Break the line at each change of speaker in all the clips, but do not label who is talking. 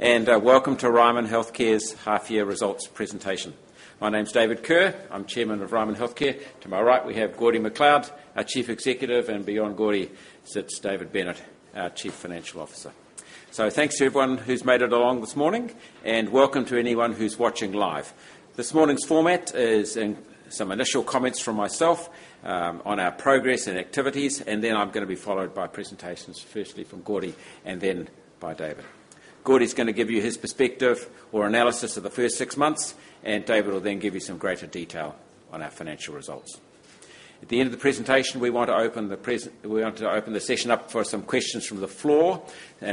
Welcome to Ryman Healthcare's half year results presentation. My name's David Kerr. I'm Chairman of Ryman Healthcare. To my right, we have Gordy MacLeod, our Chief Executive, and beyond Gordy sits David Bennett, our Chief Financial Officer. Thanks to everyone who's made it along this morning, and welcome to anyone who's watching live. This morning's format is in some initial comments from myself, on our progress and activities, and then I'm going to be followed by presentations, firstly from Gordy, and then by David. Gordy's going to give you his perspective or analysis of the first six months, and David will then give you some greater detail on our financial results. At the end of the presentation, we want to open the session up for some questions from the floor.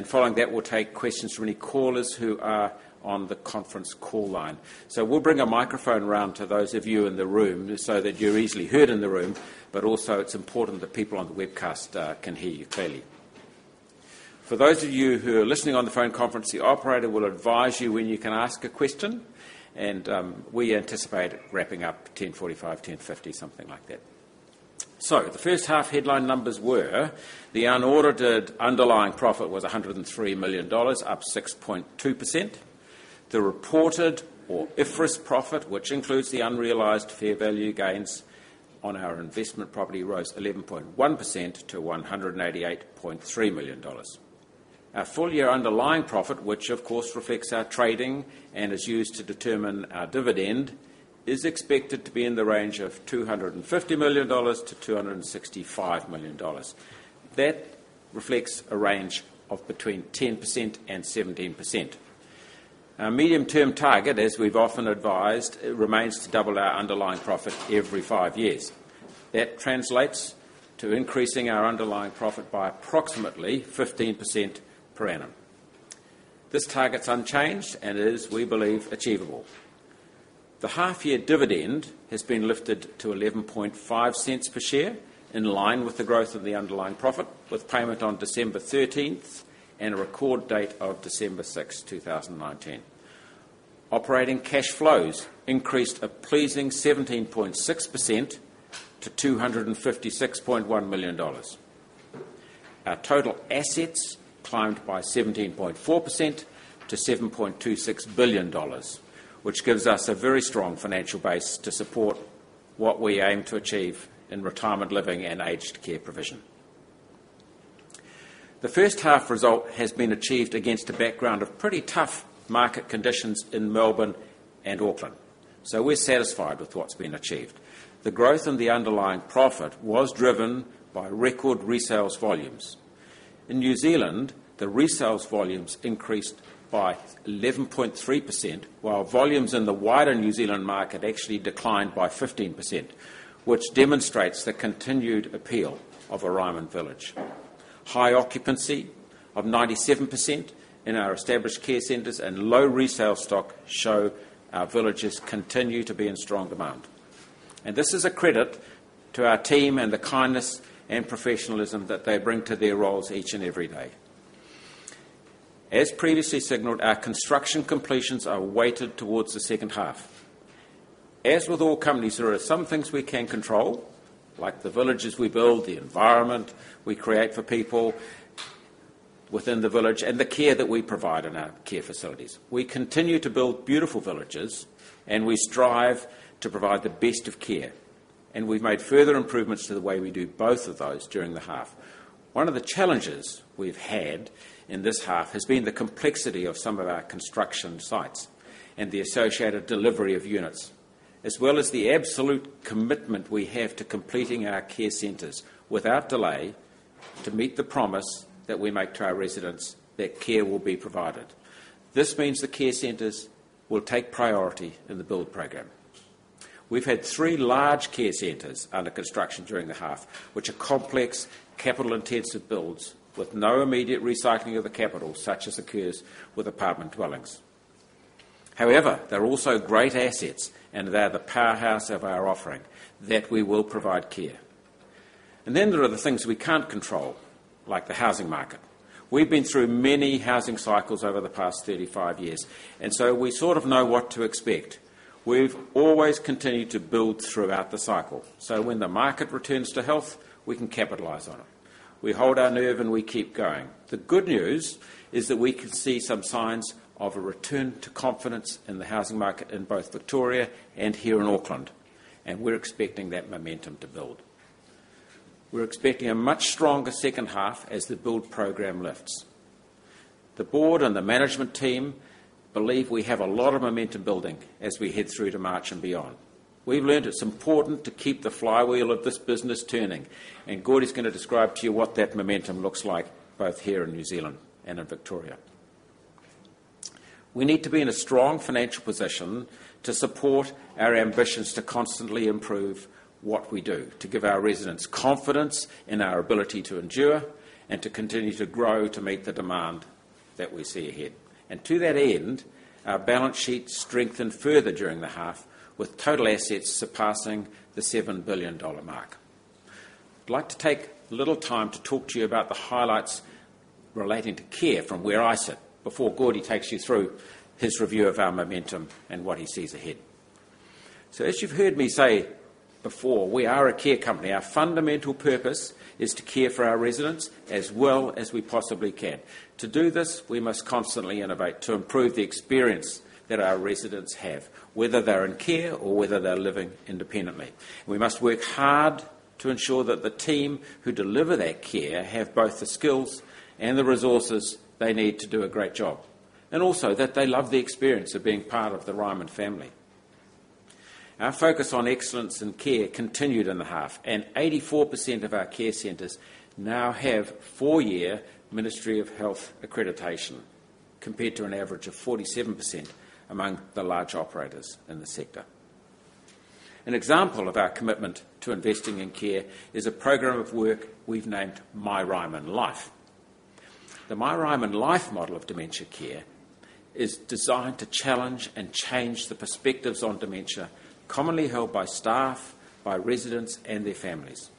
Following that, we'll take questions from any callers who are on the conference call line. We'll bring a microphone around to those of you in the room so that you're easily heard in the room, but also it's important that people on the webcast can hear you clearly. For those of you who are listening on the phone conference, the operator will advise you when you can ask a question. We anticipate wrapping up 10:45 A.M., 10:50 A.M., something like that. The first half headline numbers were the unaudited underlying profit was 103 million dollars, up 6.2%. The reported or IFRS profit, which includes the unrealized fair value gains on our investment property, rose 11.1% to 188.3 million dollars. Our full-year underlying profit, which of course reflects our trading and is used to determine our dividend, is expected to be in the range of 250 million-265 million dollars. That reflects a range of between 10%-17%. Our medium-term target, as we've often advised, remains to double our underlying profit every five years. That translates to increasing our underlying profit by approximately 15% per annum. This target's unchanged and is, we believe, achievable. The half year dividend has been lifted to 0.115 per share, in line with the growth of the underlying profit, with payment on December 13th and a record date of December 6th, 2019. Operating cash flows increased a pleasing 17.6% to 256.1 million dollars. Our total assets climbed by 17.4% to 7.26 billion dollars, which gives us a very strong financial base to support what we aim to achieve in retirement living and aged care provision. The first half result has been achieved against a background of pretty tough market conditions in Melbourne and Auckland, so we're satisfied with what's been achieved. The growth in the underlying profit was driven by record resales volumes. In New Zealand, the resales volumes increased by 11.3%, while volumes in the wider New Zealand market actually declined by 15%, which demonstrates the continued appeal of a Ryman village. High occupancy of 97% in our established care centers and low resale stock show our villages continue to be in strong demand. This is a credit to our team and the kindness and professionalism that they bring to their roles each and every day. As previously signaled, our construction completions are weighted towards the second half. As with all companies, there are some things we can control, like the villages we build, the environment we create for people within the village, and the care that we provide in our care facilities. We continue to build beautiful villages, and we strive to provide the best of care. We've made further improvements to the way we do both of those during the half. One of the challenges we've had in this half has been the complexity of some of our construction sites and the associated delivery of units, as well as the absolute commitment we have to completing our care centers without delay to meet the promise that we make to our residents that care will be provided. This means the care centers will take priority in the build program. We've had three large care centers under construction during the half, which are complex, capital-intensive builds with no immediate recycling of the capital, such as occurs with apartment dwellings. However, they're also great assets, and they are the powerhouse of our offering, that we will provide care. Then there are the things we can't control, like the housing market. We've been through many housing cycles over the past 35 years, we sort of know what to expect. We've always continued to build throughout the cycle, when the market returns to health, we can capitalize on it. We hold our nerve, we keep going. The good news is that we can see some signs of a return to confidence in the housing market in both Victoria and here in Auckland, we're expecting that momentum to build. We're expecting a much stronger second half as the build program lifts. The board and the management team believe we have a lot of momentum building as we head through to March and beyond. We've learned it's important to keep the flywheel of this business turning, Gordy's going to describe to you what that momentum looks like both here in New Zealand and in Victoria. We need to be in a strong financial position to support our ambitions to constantly improve what we do to give our residents confidence in our ability to endure and to continue to grow to meet the demand that we see ahead. To that end, our balance sheet strengthened further during the half, with total assets surpassing the 7 billion dollar mark. I'd like to take a little time to talk to you about the highlights relating to care from where I sit before Gordy takes you through his review of our momentum and what he sees ahead. As you've heard me say before, we are a care company. Our fundamental purpose is to care for our residents as well as we possibly can. To do this, we must constantly innovate to improve the experience that our residents have, whether they're in care or whether they're living independently. We must work hard to ensure that the team who deliver that care have both the skills and the resources they need to do a great job, and also that they love the experience of being part of the Ryman family. Our focus on excellence in care continued in the half, 84% of our care centers now have four-year Ministry of Health accreditation, compared to an average of 47% among the large operators in the sector. An example of our commitment to investing in care is a program of work we've named myRyman Life. The myRyman Life model of dementia care is designed to challenge and change the perspectives on dementia commonly held by staff, by residents, and their families.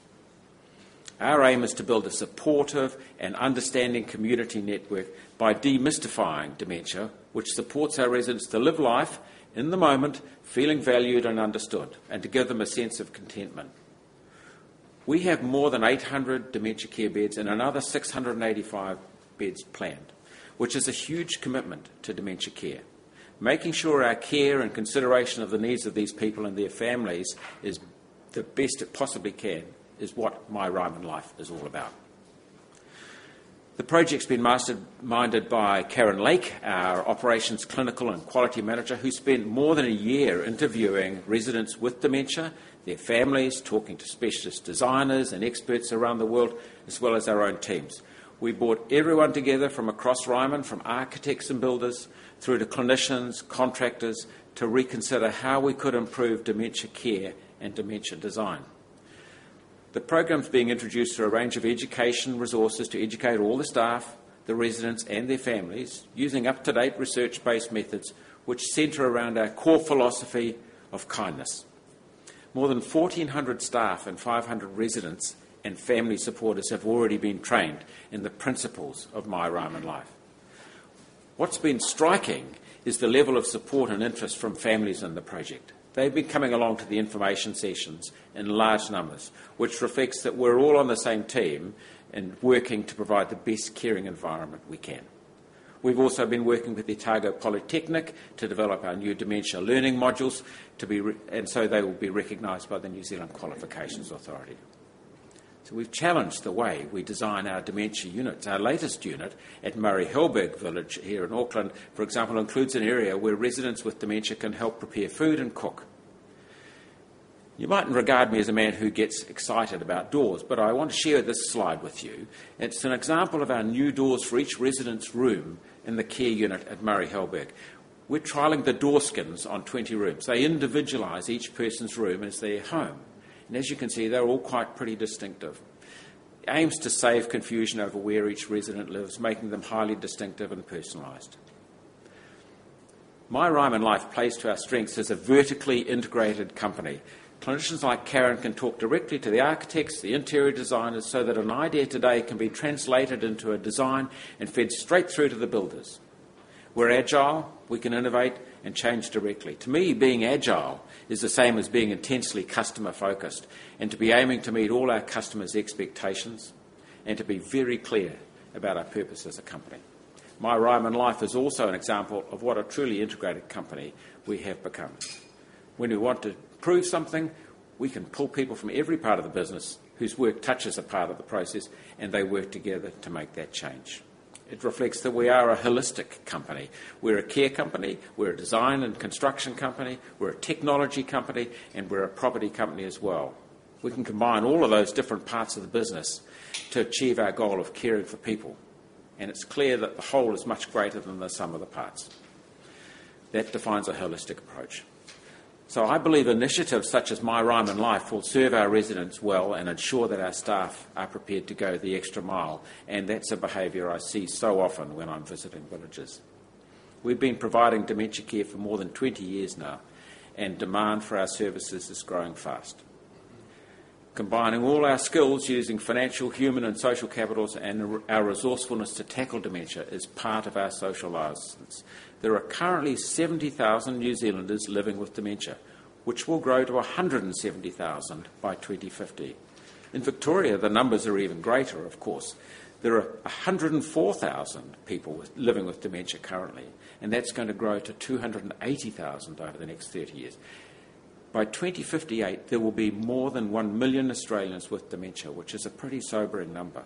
Our aim is to build a supportive and understanding community network by demystifying dementia, which supports our residents to live life in the moment, feeling valued and understood, and to give them a sense of contentment. We have more than 800 dementia care beds and another 685 beds planned, which is a huge commitment to dementia care. Making sure our care and consideration of the needs of these people and their families is the best it possibly can is what myRyman Life is all about. The project's been masterminded by Karen Lake, our Operations Clinical and Quality Manager, who spent more than a year interviewing residents with dementia, their families, talking to specialist designers and experts around the world, as well as our own teams. We brought everyone together from across Ryman, from architects and builders through to clinicians, contractors, to reconsider how we could improve dementia care and dementia design. The program's being introduced through a range of education resources to educate all the staff, the residents, and their families using up-to-date research-based methods, which center around our core philosophy of kindness. More than 1,400 staff and 500 residents and family supporters have already been trained in the principles of myRyman Life. What's been striking is the level of support and interest from families in the project. They've been coming along to the information sessions in large numbers, which reflects that we're all on the same team and working to provide the best caring environment we can. We've also been working with Otago Polytechnic to develop our new dementia learning modules. They will be recognized by the New Zealand Qualifications Authority. We've challenged the way we design our dementia units. Our latest unit at Murray Halberg Village here in Auckland, for example, includes an area where residents with dementia can help prepare food and cook. You mightn't regard me as a man who gets excited about doors, but I want to share this slide with you. It's an example of our new doors for each resident's room in the care unit at Murray Halberg. We're trialing the door skins on 20 rooms. They individualize each person's room as their home, and as you can see, they're all quite pretty distinctive. It aims to save confusion over where each resident lives, making them highly distinctive and personalized. myRyman Life plays to our strengths as a vertically integrated company. Clinicians like Karen can talk directly to the architects, the interior designers, so that an idea today can be translated into a design and fed straight through to the builders. We're agile. We can innovate and change directly. To me, being agile is the same as being intensely customer-focused and to be aiming to meet all our customers' expectations and to be very clear about our purpose as a company. myRyman Life is also an example of what a truly integrated company we have become. When we want to prove something, we can pull people from every part of the business whose work touches a part of the process, and they work together to make that change. It reflects that we are a holistic company. We're a care company. We're a design and construction company. We're a technology company, and we're a property company as well. We can combine all of those different parts of the business to achieve our goal of caring for people, and it's clear that the whole is much greater than the sum of the parts. That defines a holistic approach. I believe initiatives such as myRyman Life will serve our residents well and ensure that our staff are prepared to go the extra mile, and that's a behavior I see so often when I'm visiting villages. We've been providing dementia care for more than 20 years now, and demand for our services is growing fast. Combining all our skills using financial, human, and social capitals, and our resourcefulness to tackle dementia is part of our social license. There are currently 70,000 New Zealanders living with dementia, which will grow to 170,000 by 2050. In Victoria, the numbers are even greater, of course. There are 104,000 people living with dementia currently, and that's going to grow to 280,000 over the next 30 years. By 2058, there will be more than 1 million Australians with dementia, which is a pretty sobering number.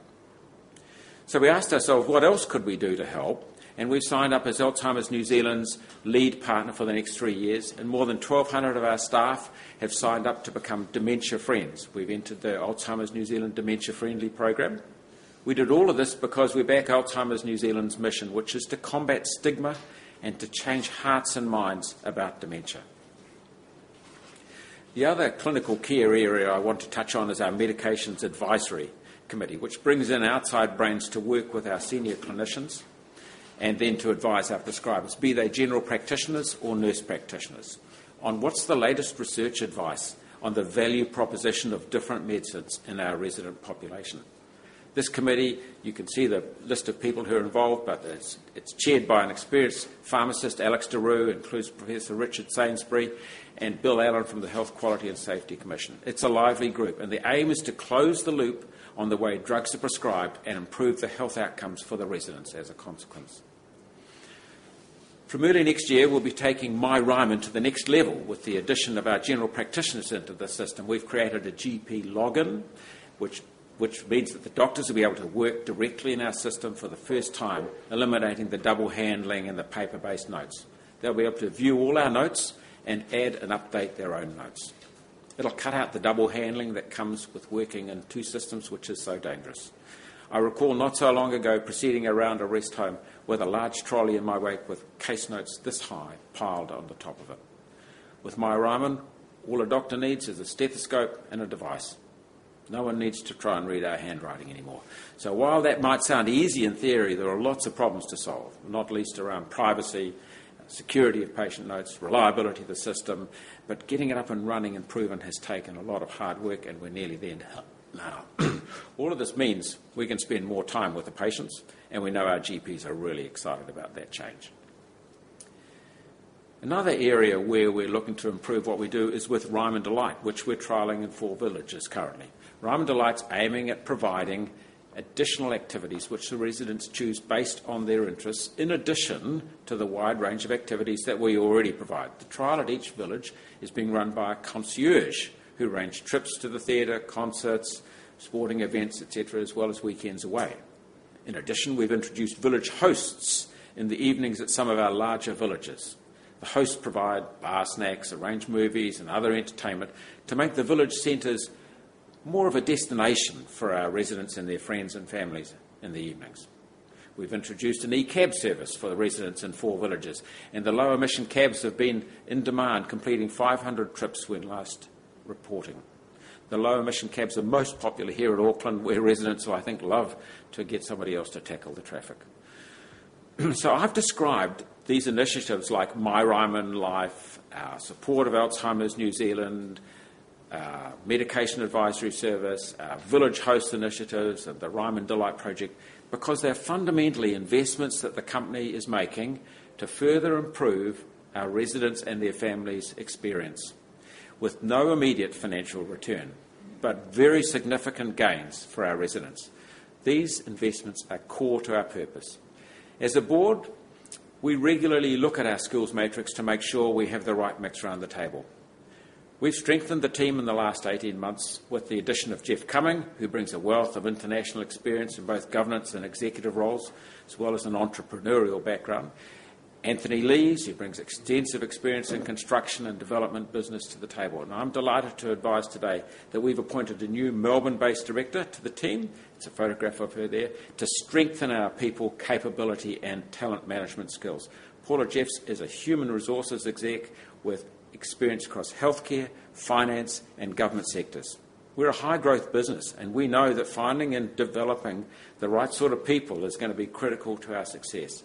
We asked ourselves, "What else could we do to help?" We've signed up as Alzheimers New Zealand's lead partner for the next three years, and more than 1,200 of our staff have signed up to become dementia friends. We've entered the Alzheimer's New Zealand Dementia Friendly Program. We did all of this because we back Alzheimers New Zealand's mission, which is to combat stigma and to change hearts and minds about dementia. The other clinical care area I want to touch on is our Medications Advisory Committee, which brings in outside brains to work with our senior clinicians and then to advise our prescribers, be they general practitioners or nurse practitioners, on what's the latest research advice on the value proposition of different medicines in our resident population. This committee, you can see the list of people who are involved, but it's chaired by an experienced pharmacist, Alex de Roo, includes Professor Richard Sainsbury, and Bill Allen from the Health Quality & Safety Commission. It's a lively group, the aim is to close the loop on the way drugs are prescribed and improve the health outcomes for the residents as a consequence. From early next year, we'll be taking myRyman to the next level with the addition of our general practitioners into the system. We've created a GP login, which means that the doctors will be able to work directly in our system for the first time, eliminating the double handling and the paper-based notes. They'll be able to view all our notes and add and update their own notes. It'll cut out the double handling that comes with working in two systems, which is so dangerous. I recall not so long ago, proceeding around a rest home with a large trolley in my wake with case notes this high piled on the top of it. With myRyman, all a doctor needs is a stethoscope and a device. No one needs to try and read our handwriting anymore. While that might sound easy in theory, there are lots of problems to solve, not least around privacy, security of patient notes, reliability of the system, but getting it up and running and proven has taken a lot of hard work, and we're nearly there now. All of this means we can spend more time with the patients, and we know our GPs are really excited about that change. Another area where we're looking to improve what we do is with Ryman Delight, which we're trialing in four villages currently. Ryman Delight's aiming at providing additional activities which the residents choose based on their interests, in addition to the wide range of activities that we already provide. The trial at each village is being run by a concierge who arrange trips to the theater, concerts, sporting events, et cetera, as well as weekends away. In addition, we've introduced village hosts in the evenings at some of our larger villages. The hosts provide bar snacks, arrange movies, and other entertainment to make the village centers more of a destination for our residents and their friends and families in the evenings. We've introduced an e-cab service for the residents in four villages, and the low-emission cabs have been in demand, completing 500 trips when last reporting. The low-emission cabs are most popular here in Auckland, where residents, I think, love to get somebody else to tackle the traffic. I've described these initiatives like myRyman Life, our support of Alzheimers New Zealand, Medication Advisory Service, our Village Host initiatives, and the Ryman Delight project because they're fundamentally investments that the company is making to further improve our residents' and their families' experience with no immediate financial return, but very significant gains for our residents. These investments are core to our purpose. As a board, we regularly look at our skills matrix to make sure we have the right mix around the table. We've strengthened the team in the last 18 months with the addition of Geoff Cumming, who brings a wealth of international experience in both governance and executive roles, as well as an entrepreneurial background. Anthony Leighs, who brings extensive experience in construction and development business to the table. I'm delighted to advise today that we've appointed a new Melbourne-based director to the team, there's a photograph of her there, to strengthen our people capability and talent management skills. Paula Jeffs is a human resources exec with experience across healthcare, finance, and government sectors. We're a high-growth business, and we know that finding and developing the right sort of people is going to be critical to our success.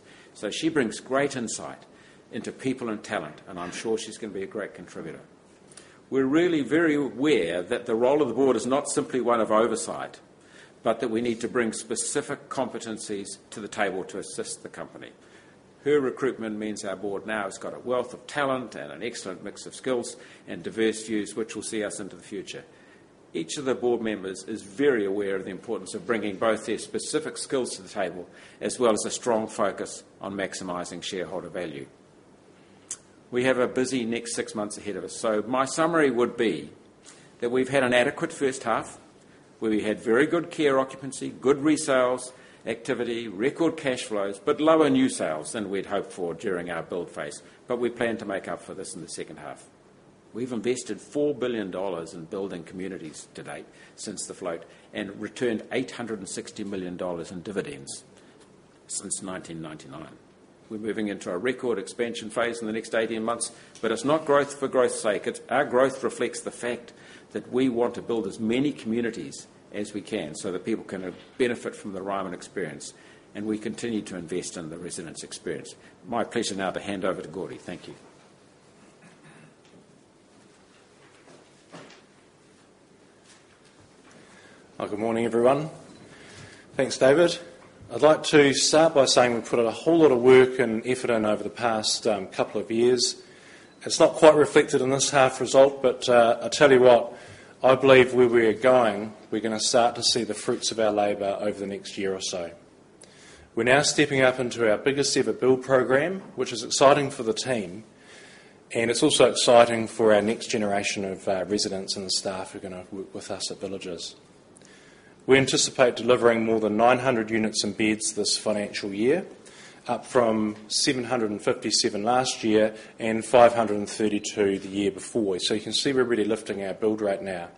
She brings great insight into people and talent, and I'm sure she's going to be a great contributor. We're really very aware that the role of the board is not simply one of oversight, but that we need to bring specific competencies to the table to assist the company. Her recruitment means our board now has got a wealth of talent and an excellent mix of skills and diverse views, which will see us into the future. Each of the board members is very aware of the importance of bringing both their specific skills to the table as well as a strong focus on maximizing shareholder value. We have a busy next six months ahead of us. My summary would be that we've had an adequate first half, where we had very good care occupancy, good resales activity, record cash flows, lower new sales than we'd hoped for during our build phase. We plan to make up for this in the second half. We've invested 4 billion dollars in building communities to date since the float and returned 860 million dollars in dividends since 1999. We're moving into a record expansion phase in the next 18 months, but it's not growth for growth's sake. Our growth reflects the fact that we want to build as many communities as we can so that people can benefit from the Ryman experience, and we continue to invest in the residents' experience. My pleasure now to hand over to Gordy. Thank you.
Good morning, everyone. Thanks, David. I'd like to start by saying we've put a whole lot of work and effort in over the past couple of years. It's not quite reflected in this half result, but I tell you what, I believe where we're going, we're going to start to see the fruits of our labor over the next year or so. We're now stepping up into our biggest ever build program, which is exciting for the team, and it's also exciting for our next generation of residents and staff who are going to work with us at Villages. We anticipate delivering more than 900 units and beds this financial year, up from 757 last year and 532 the year before. You can see we're really lifting our build right now.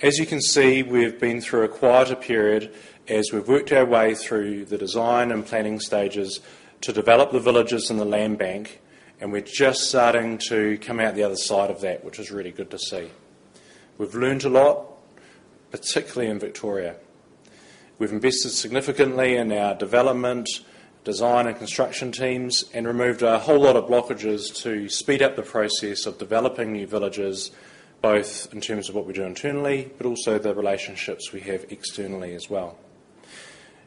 As you can see, we've been through a quieter period as we've worked our way through the design and planning stages to develop the villages and the land bank, and we're just starting to come out the other side of that, which is really good to see. We've learned a lot, particularly in Victoria. We've invested significantly in our development, design, and construction teams and removed a whole lot of blockages to speed up the process of developing new villages, both in terms of what we do internally, but also the relationships we have externally as well.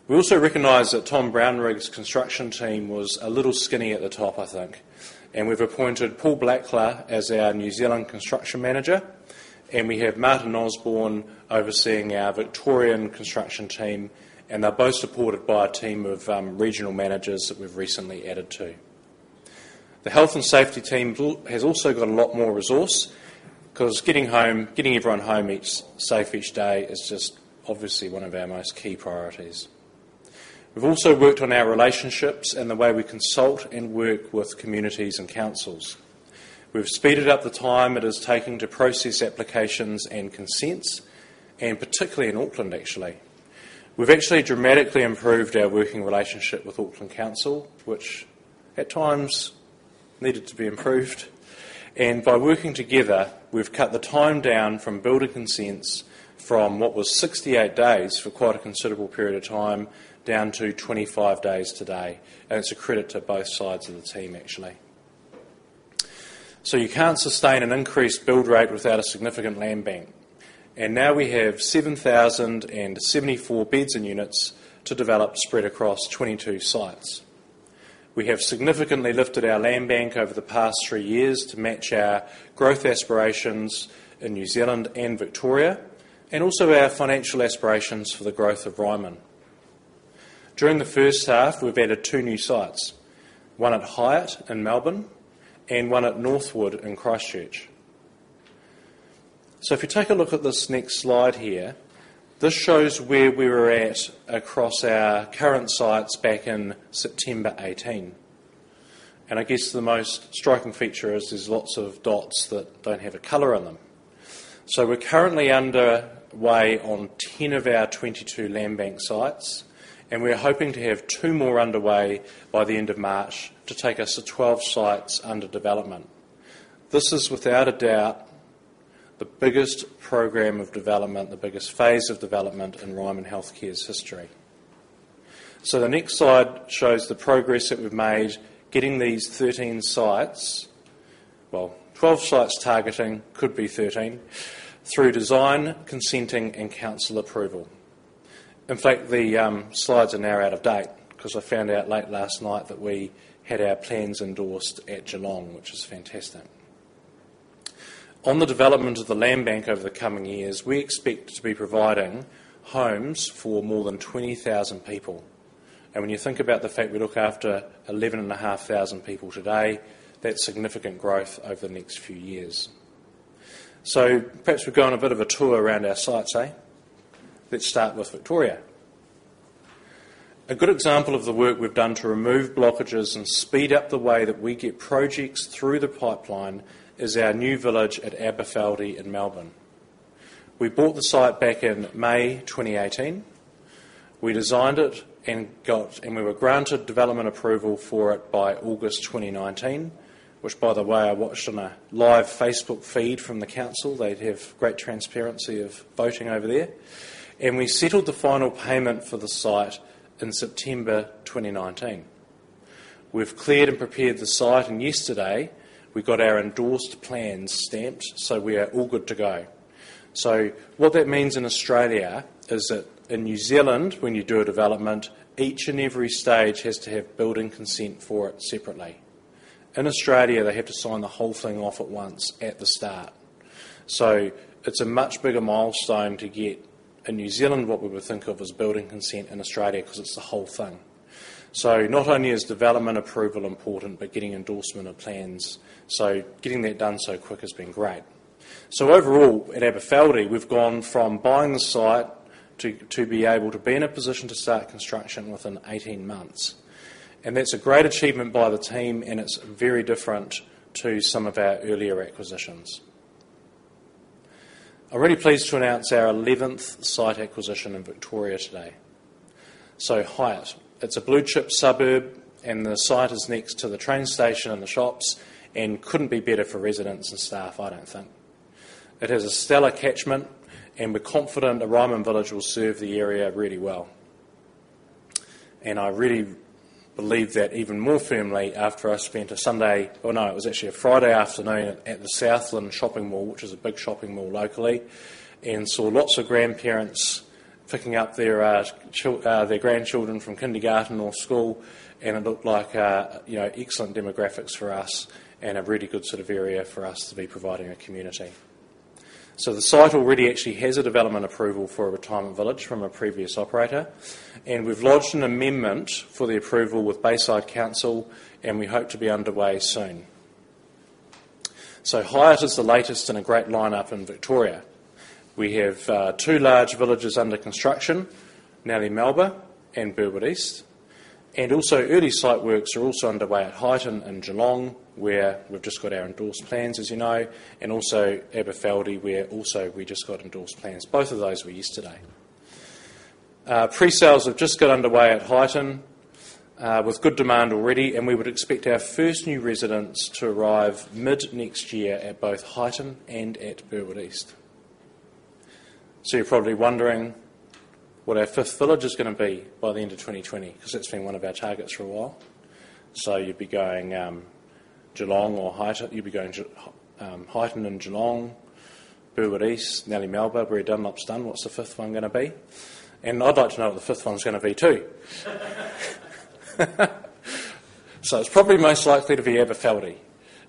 We also recognize that Tom Brownrigg's construction team was a little skinny at the top, I think. We've appointed Paul Blackler as our New Zealand Construction Manager, and we have Martyn Osborn overseeing our Victorian construction team. They're both supported by a team of regional managers that we've recently added to. The Health and Safety team has also got a lot more resource, because getting everyone home safe each day is just obviously one of our most key priorities. We've also worked on our relationships and the way we consult and work with communities and councils. We've speeded up the time it has taken to process applications and consents, and particularly in Auckland, actually. We've actually dramatically improved our working relationship with Auckland Council, which at times needed to be improved. By working together, we've cut the time down from building consents from what was 68 days for quite a considerable period of time, down to 25 days today. It's a credit to both sides of the team, actually. You can't sustain an increased build rate without a significant land bank. Now we have 7,074 beds and units to develop, spread across 22 sites. We have significantly lifted our land bank over the past three years to match our growth aspirations in New Zealand and Victoria, and also our financial aspirations for the growth of Ryman. During the first half, we've added two new sites, one at Highett in Melbourne and one at Northwood in Christchurch. If you take a look at this next slide here, this shows where we were at across our current sites back in September 2018. I guess the most striking feature is there's lots of dots that don't have a color in them. We're currently underway on 10 of our 22 land bank sites, and we are hoping to have two more underway by the end of March to take us to 12 sites under development. This is without a doubt the biggest program of development, the biggest phase of development in Ryman Healthcare's history. The next slide shows the progress that we've made getting these 13 sites, well, 12 sites targeting, could be 13, through design, consenting, and council approval. In fact, the slides are now out of date, because I found out late last night that we had our plans endorsed at Geelong, which was fantastic. On the development of the land bank over the coming years, we expect to be providing homes for more than 20,000 people. When you think about the fact we look after 11,500 people today, that's significant growth over the next few years. Perhaps we'll go on a bit of a tour around our sites, eh? Let's start with Victoria. A good example of the work we've done to remove blockages and speed up the way that we get projects through the pipeline is our new village at Aberfeldie in Melbourne. We bought the site back in May 2018. We designed it and we were granted development approval for it by August 2019. Which by the way, I watched on a live Facebook feed from the council. They have great transparency of voting over there. We settled the final payment for the site in September 2019. We've cleared and prepared the site, and yesterday we got our endorsed plans stamped, so we are all good to go. What that means in Australia is that in New Zealand, when you do a development, each and every stage has to have building consent for it separately. In Australia, they have to sign the whole thing off at once at the start. It's a much bigger milestone to get in New Zealand what we would think of as building consent in Australia, because it's the whole thing. Not only is development approval important, but getting endorsement of plans. Getting that done so quick has been great. Overall, at Aberfeldie, we've gone from buying the site to be able to be in a position to start construction within 18 months. That's a great achievement by the team, and it's very different to some of our earlier acquisitions. I'm really pleased to announce our 11th site acquisition in Victoria today. Highett. It's a blue-chip suburb, and the site is next to the train station and the shops, and couldn't be better for residents and staff, I don't think. It has a stellar catchment, and we're confident a Ryman village will serve the area really well. I really believe that even more firmly after I spent a Sunday, or no, it was actually a Friday afternoon at the Southland Shopping Mall, which is a big shopping mall locally, and saw lots of grandparents picking up their grandchildren from kindergarten or school, and it looked like excellent demographics for us and a really good area for us to be providing a community. The site already actually has a development approval for a retirement village from a previous operator, and we've lodged an amendment for the approval with Bayside Council, and we hope to be underway soon. Highett is the latest in a great lineup in Victoria. We have two large villages under construction, Narre Warren and Burwood East. Early site works are also underway at Highton in Geelong, where we've just got our endorsed plans, as you know, and also Aberfeldie, where also we just got endorsed plans. Both of those were yesterday. Pre-sales have just got underway at Highton, with good demand already, and we would expect our first new residents to arrive mid-next year at both Highton and at Burwood East. You're probably wondering what our fifth village is going to be by the end of 2020, because that's been one of our targets for a while. You'd be going Geelong or Highton. You'll be going Highton and Geelong, Ringwood East, Nellie Melba, Weary Dunlop's done. What's the fifth one going to be? I'd like to know what the fifth one's going to be, too. It's probably most likely to be Aberfeldie,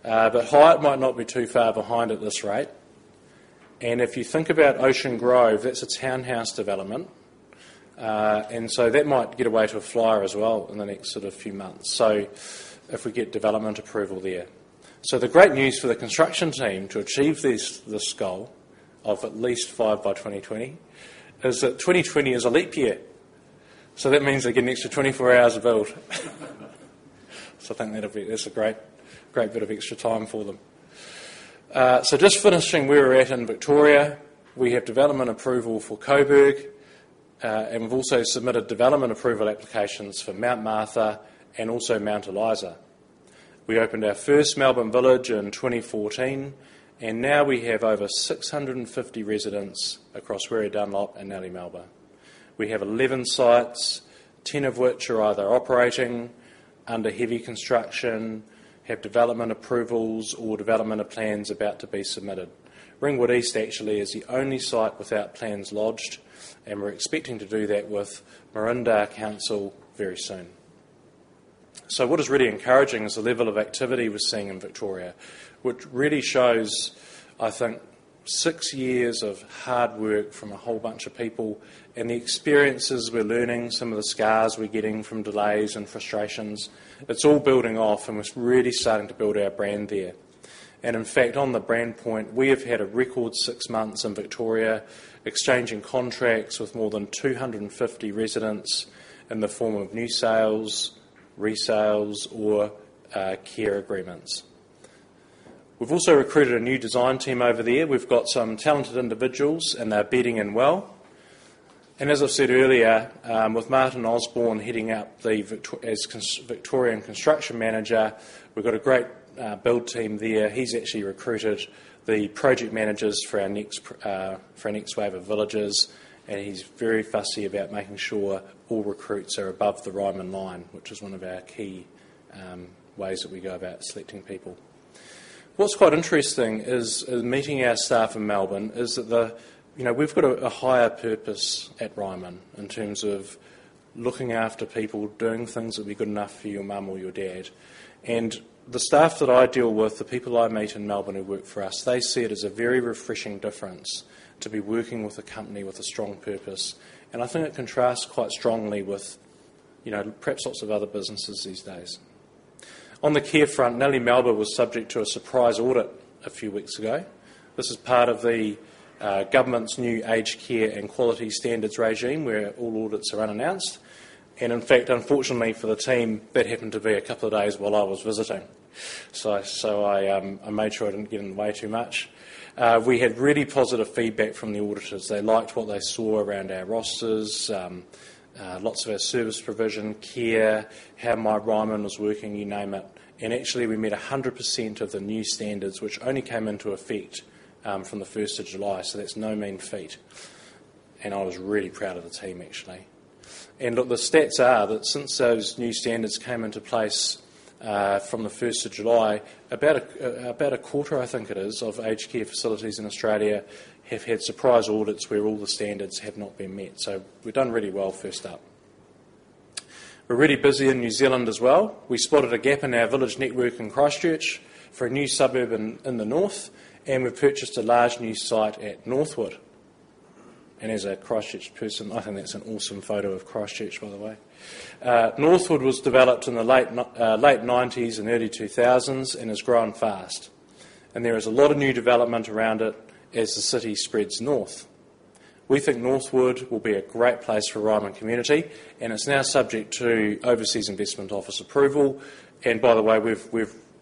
but Highton might not be too far behind at this rate. If you think about Ocean Grove, that's a townhouse development. That might get away to a flyer as well in the next few months, if we get development approval there. The great news for the construction team to achieve this goal of at least five by 2020 is that 2020 is a leap year. That means they get an extra 24 hours to build. I think that's a great bit of extra time for them. Just finishing where we're at in Victoria. We have development approval for Coburg, and we've also submitted development approval applications for Mount Martha and also Mount Eliza. We opened our first Melbourne village in 2014, and now we have over 650 residents across Weary Dunlop and Nellie Melba. We have 11 sites, 10 of which are either operating, under heavy construction, have development approvals, or development plans about to be submitted. Ringwood East actually is the only site without plans lodged. We're expecting to do that with Maroondah Council very soon. What is really encouraging is the level of activity we're seeing in Victoria, which really shows, I think, six years of hard work from a whole bunch of people, the experiences we're learning, some of the scars we're getting from delays and frustrations. It's all building off, it's really starting to build our brand there. In fact, on the brand point, we have had a record six months in Victoria exchanging contracts with more than 250 residents in the form of new sales, resales, or care agreements. We've also recruited a new design team over there. We've got some talented individuals, they're bedding in well. As I've said earlier, with Martyn Osborn heading up as Victorian Construction Manager, we've got a great build team there. He's actually recruited the project managers for our next wave of villages, and he's very fussy about making sure all recruits are above the Ryman line, which is one of our key ways that we go about selecting people. What's quite interesting is meeting our staff in Melbourne is that we've got a higher purpose at Ryman in terms of looking after people, doing things that'd be good enough for your mum or your dad. The staff that I deal with, the people I meet in Melbourne who work for us, they see it as a very refreshing difference to be working with a company with a strong purpose, and I think it contrasts quite strongly with perhaps lots of other businesses these days. On the care front, Nellie Melba was subject to a surprise audit a few weeks ago. This is part of the government's new aged care and quality standards regime, where all audits are unannounced. In fact, unfortunately for the team, that happened to be a couple of days while I was visiting. I made sure I didn't get in the way too much. We had really positive feedback from the auditors. They liked what they saw around our rosters. Lots of our service provision, care, how myRyman was working, you name it. Actually, we met 100% of the new standards, which only came into effect from the 1st of July. That's no mean feat, and I was really proud of the team, actually. Look, the stats are that since those new standards came into place from the 1st of July, about a quarter, I think it is, of aged care facilities in Australia have had surprise audits where all the standards have not been met. We've done really well first up. We're really busy in New Zealand as well. We spotted a gap in our village network in Christchurch for a new suburb in the north, and we've purchased a large new site at Northwood. As a Christchurch person, I think that's an awesome photo of Christchurch, by the way. Northwood was developed in the late 1990s and early 2000s and has grown fast. There is a lot of new development around it as the city spreads north. We think Northwood will be a great place for Ryman community. It's now subject to Overseas Investment Office approval. By the way,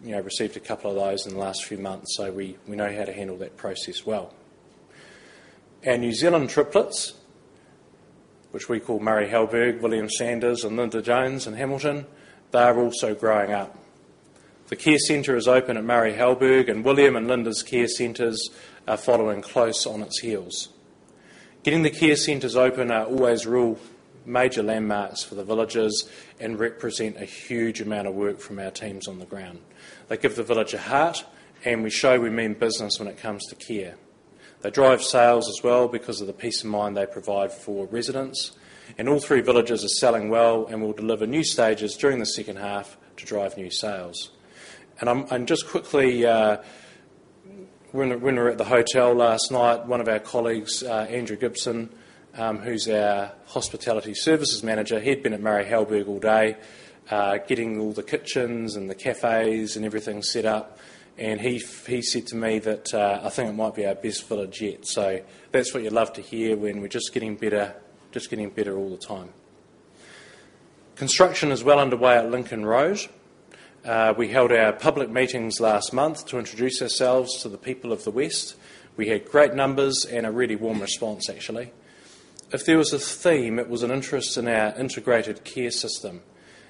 we've received a couple of those in the last few months. We know how to handle that process well. Our New Zealand triplets, which we call Murray Halberg, William Sanders, and Linda Jones in Hamilton, they are also growing up. The care center is open at Murray Halberg. William and Linda's care centers are following close on its heels. Getting the care centers open are always real major landmarks for the villages and represent a huge amount of work from our teams on the ground. They give the village a heart. We show we mean business when it comes to care. They drive sales as well because of the peace of mind they provide for residents. All three villages are selling well and will deliver new stages during the second half to drive new sales. Just quickly, when we were at the hotel last night, one of our colleagues, Andrew Gibson, who is our Hospitality Services Manager, he had been at Murray Halberg all day getting all the kitchens and the cafes and everything set up, and he said to me that, "I think it might be our best village yet." That's what you love to hear when we're just getting better all the time. Construction is well underway at Lincoln Road. We held our public meetings last month to introduce ourselves to the people of the West. We had great numbers and a really warm response, actually. If there was a theme, it was an interest in our integrated care system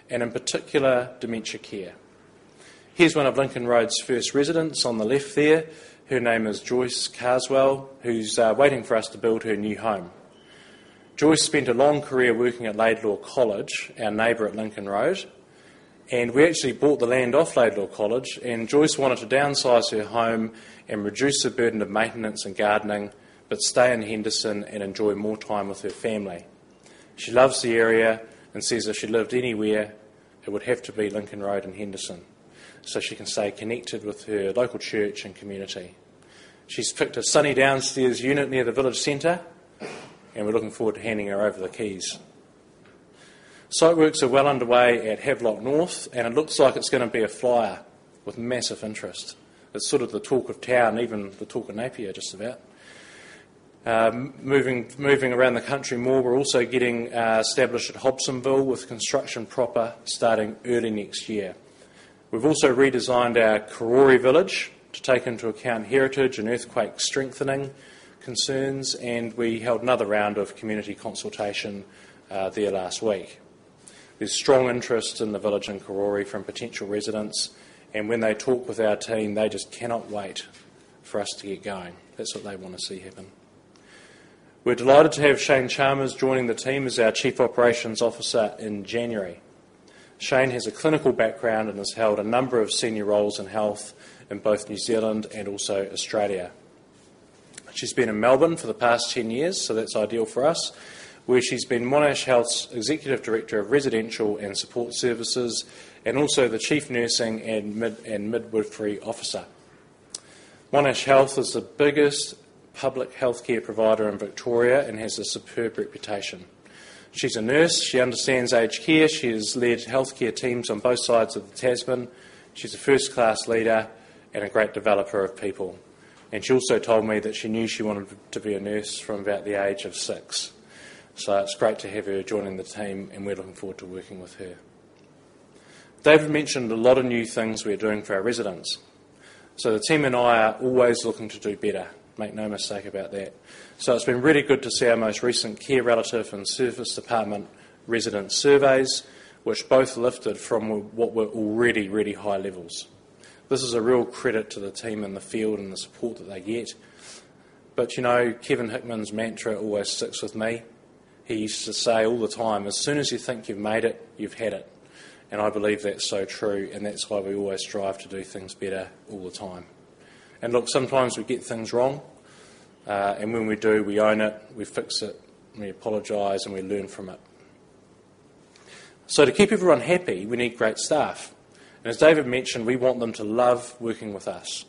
and in particular, dementia care. Here's one of Lincoln Road's first residents on the left there. Her name is Joyce Carswell, who's waiting for us to build her new home. Joyce spent a long career working at Laidlaw College, our neighbor at Lincoln Road, and we actually bought the land off Laidlaw College, and Joyce wanted to downsize her home and reduce the burden of maintenance and gardening, but stay in Henderson and enjoy more time with her family. She loves the area and says if she lived anywhere, it would have to be Lincoln Road in Henderson, so she can stay connected with her local church and community. She's picked a sunny downstairs unit near the village center, and we're looking forward to handing her over the keys. Site works are well underway at Havelock North, and it looks like it's going to be a flyer with massive interest. It's sort of the talk of town, even the talk of Napier, just about. Moving around the country more, we're also getting established at Hobsonville, with construction proper starting early next year. We've also redesigned our Karori village to take into account heritage and earthquake strengthening concerns, and we held another round of community consultation there last week. There's strong interest in the village in Karori from potential residents, and when they talk with our team, they just cannot wait for us to get going. That's what they want to see happen. We're delighted to have Cheyne Chalmers joining the team as our Chief Operations Officer in January. Cheyne has a clinical background and has held a number of senior roles in health in both New Zealand and also Australia. She's been in Melbourne for the past 10 years, that's ideal for us, where she's been Monash Health's executive director of residential and support services, and also the chief nursing and midwifery officer. Monash Health is the biggest public healthcare provider in Victoria and has a superb reputation. She's a nurse. She understands aged care. She has led healthcare teams on both sides of the Tasman. She's a first-class leader and a great developer of people, and she also told me that she knew she wanted to be a nurse from about the age of six. It's great to have her joining the team, and we're looking forward to working with her. David mentioned a lot of new things we are doing for our residents. The team and I are always looking to do better, make no mistake about that. It's been really good to see our most recent care relative and service department resident surveys, which both lifted from what were already really high levels. This is a real credit to the team in the field and the support that they get. Kevin Hickman's mantra always sticks with me. He used to say all the time, "As soon as you think you've made it, you've had it." I believe that's so true, and that's why we always strive to do things better all the time. Look, sometimes we get things wrong, and when we do, we own it, we fix it, we apologize, and we learn from it. To keep everyone happy, we need great staff, and as David mentioned, we want them to love working with us.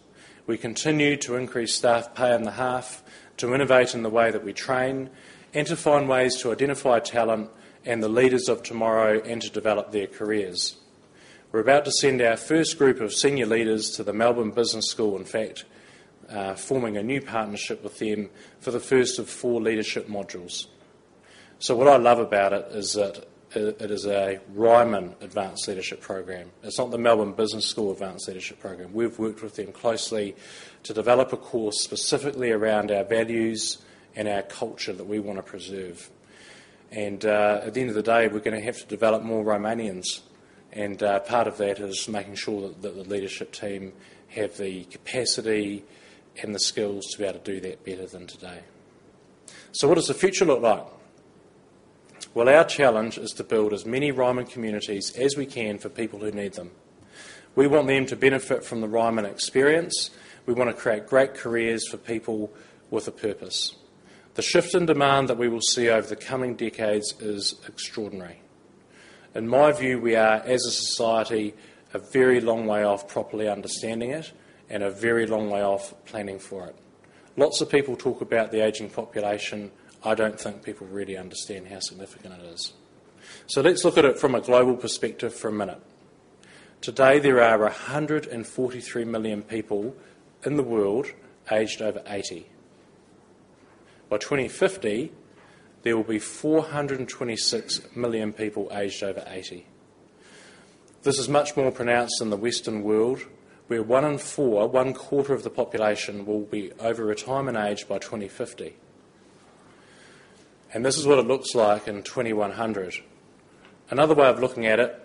We continue to increase staff pay on the half, to innovate in the way that we train, and to find ways to identify talent and the leaders of tomorrow, and to develop their careers. We're about to send our first group of senior leaders to the Melbourne Business School, in fact, forming a new partnership with them for the first of four leadership modules. What I love about it is that it is a Ryman Advanced Leadership Program. It's not the Melbourne Business School Advanced Leadership Program. We've worked with them closely to develop a course specifically around our values and our culture that we want to preserve. At the end of the day, we're going to have to develop more Rymanians, and part of that is making sure that the leadership team have the capacity and the skills to be able to do that better than today. What does the future look like? Well, our challenge is to build as many Ryman communities as we can for people who need them. We want them to benefit from the Ryman experience. We want to create great careers for people with a purpose. The shift in demand that we will see over the coming decades is extraordinary. In my view, we are, as a society, a very long way off properly understanding it and a very long way off planning for it. Lots of people talk about the aging population. I don't think people really understand how significant it is. Let's look at it from a global perspective for a minute. Today, there are 143 million people in the world aged over 80. By 2050, there will be 426 million people aged over 80. This is much more pronounced in the Western world, where one in four, one quarter of the population, will be over retirement age by 2050. This is what it looks like in 2100. Another way of looking at it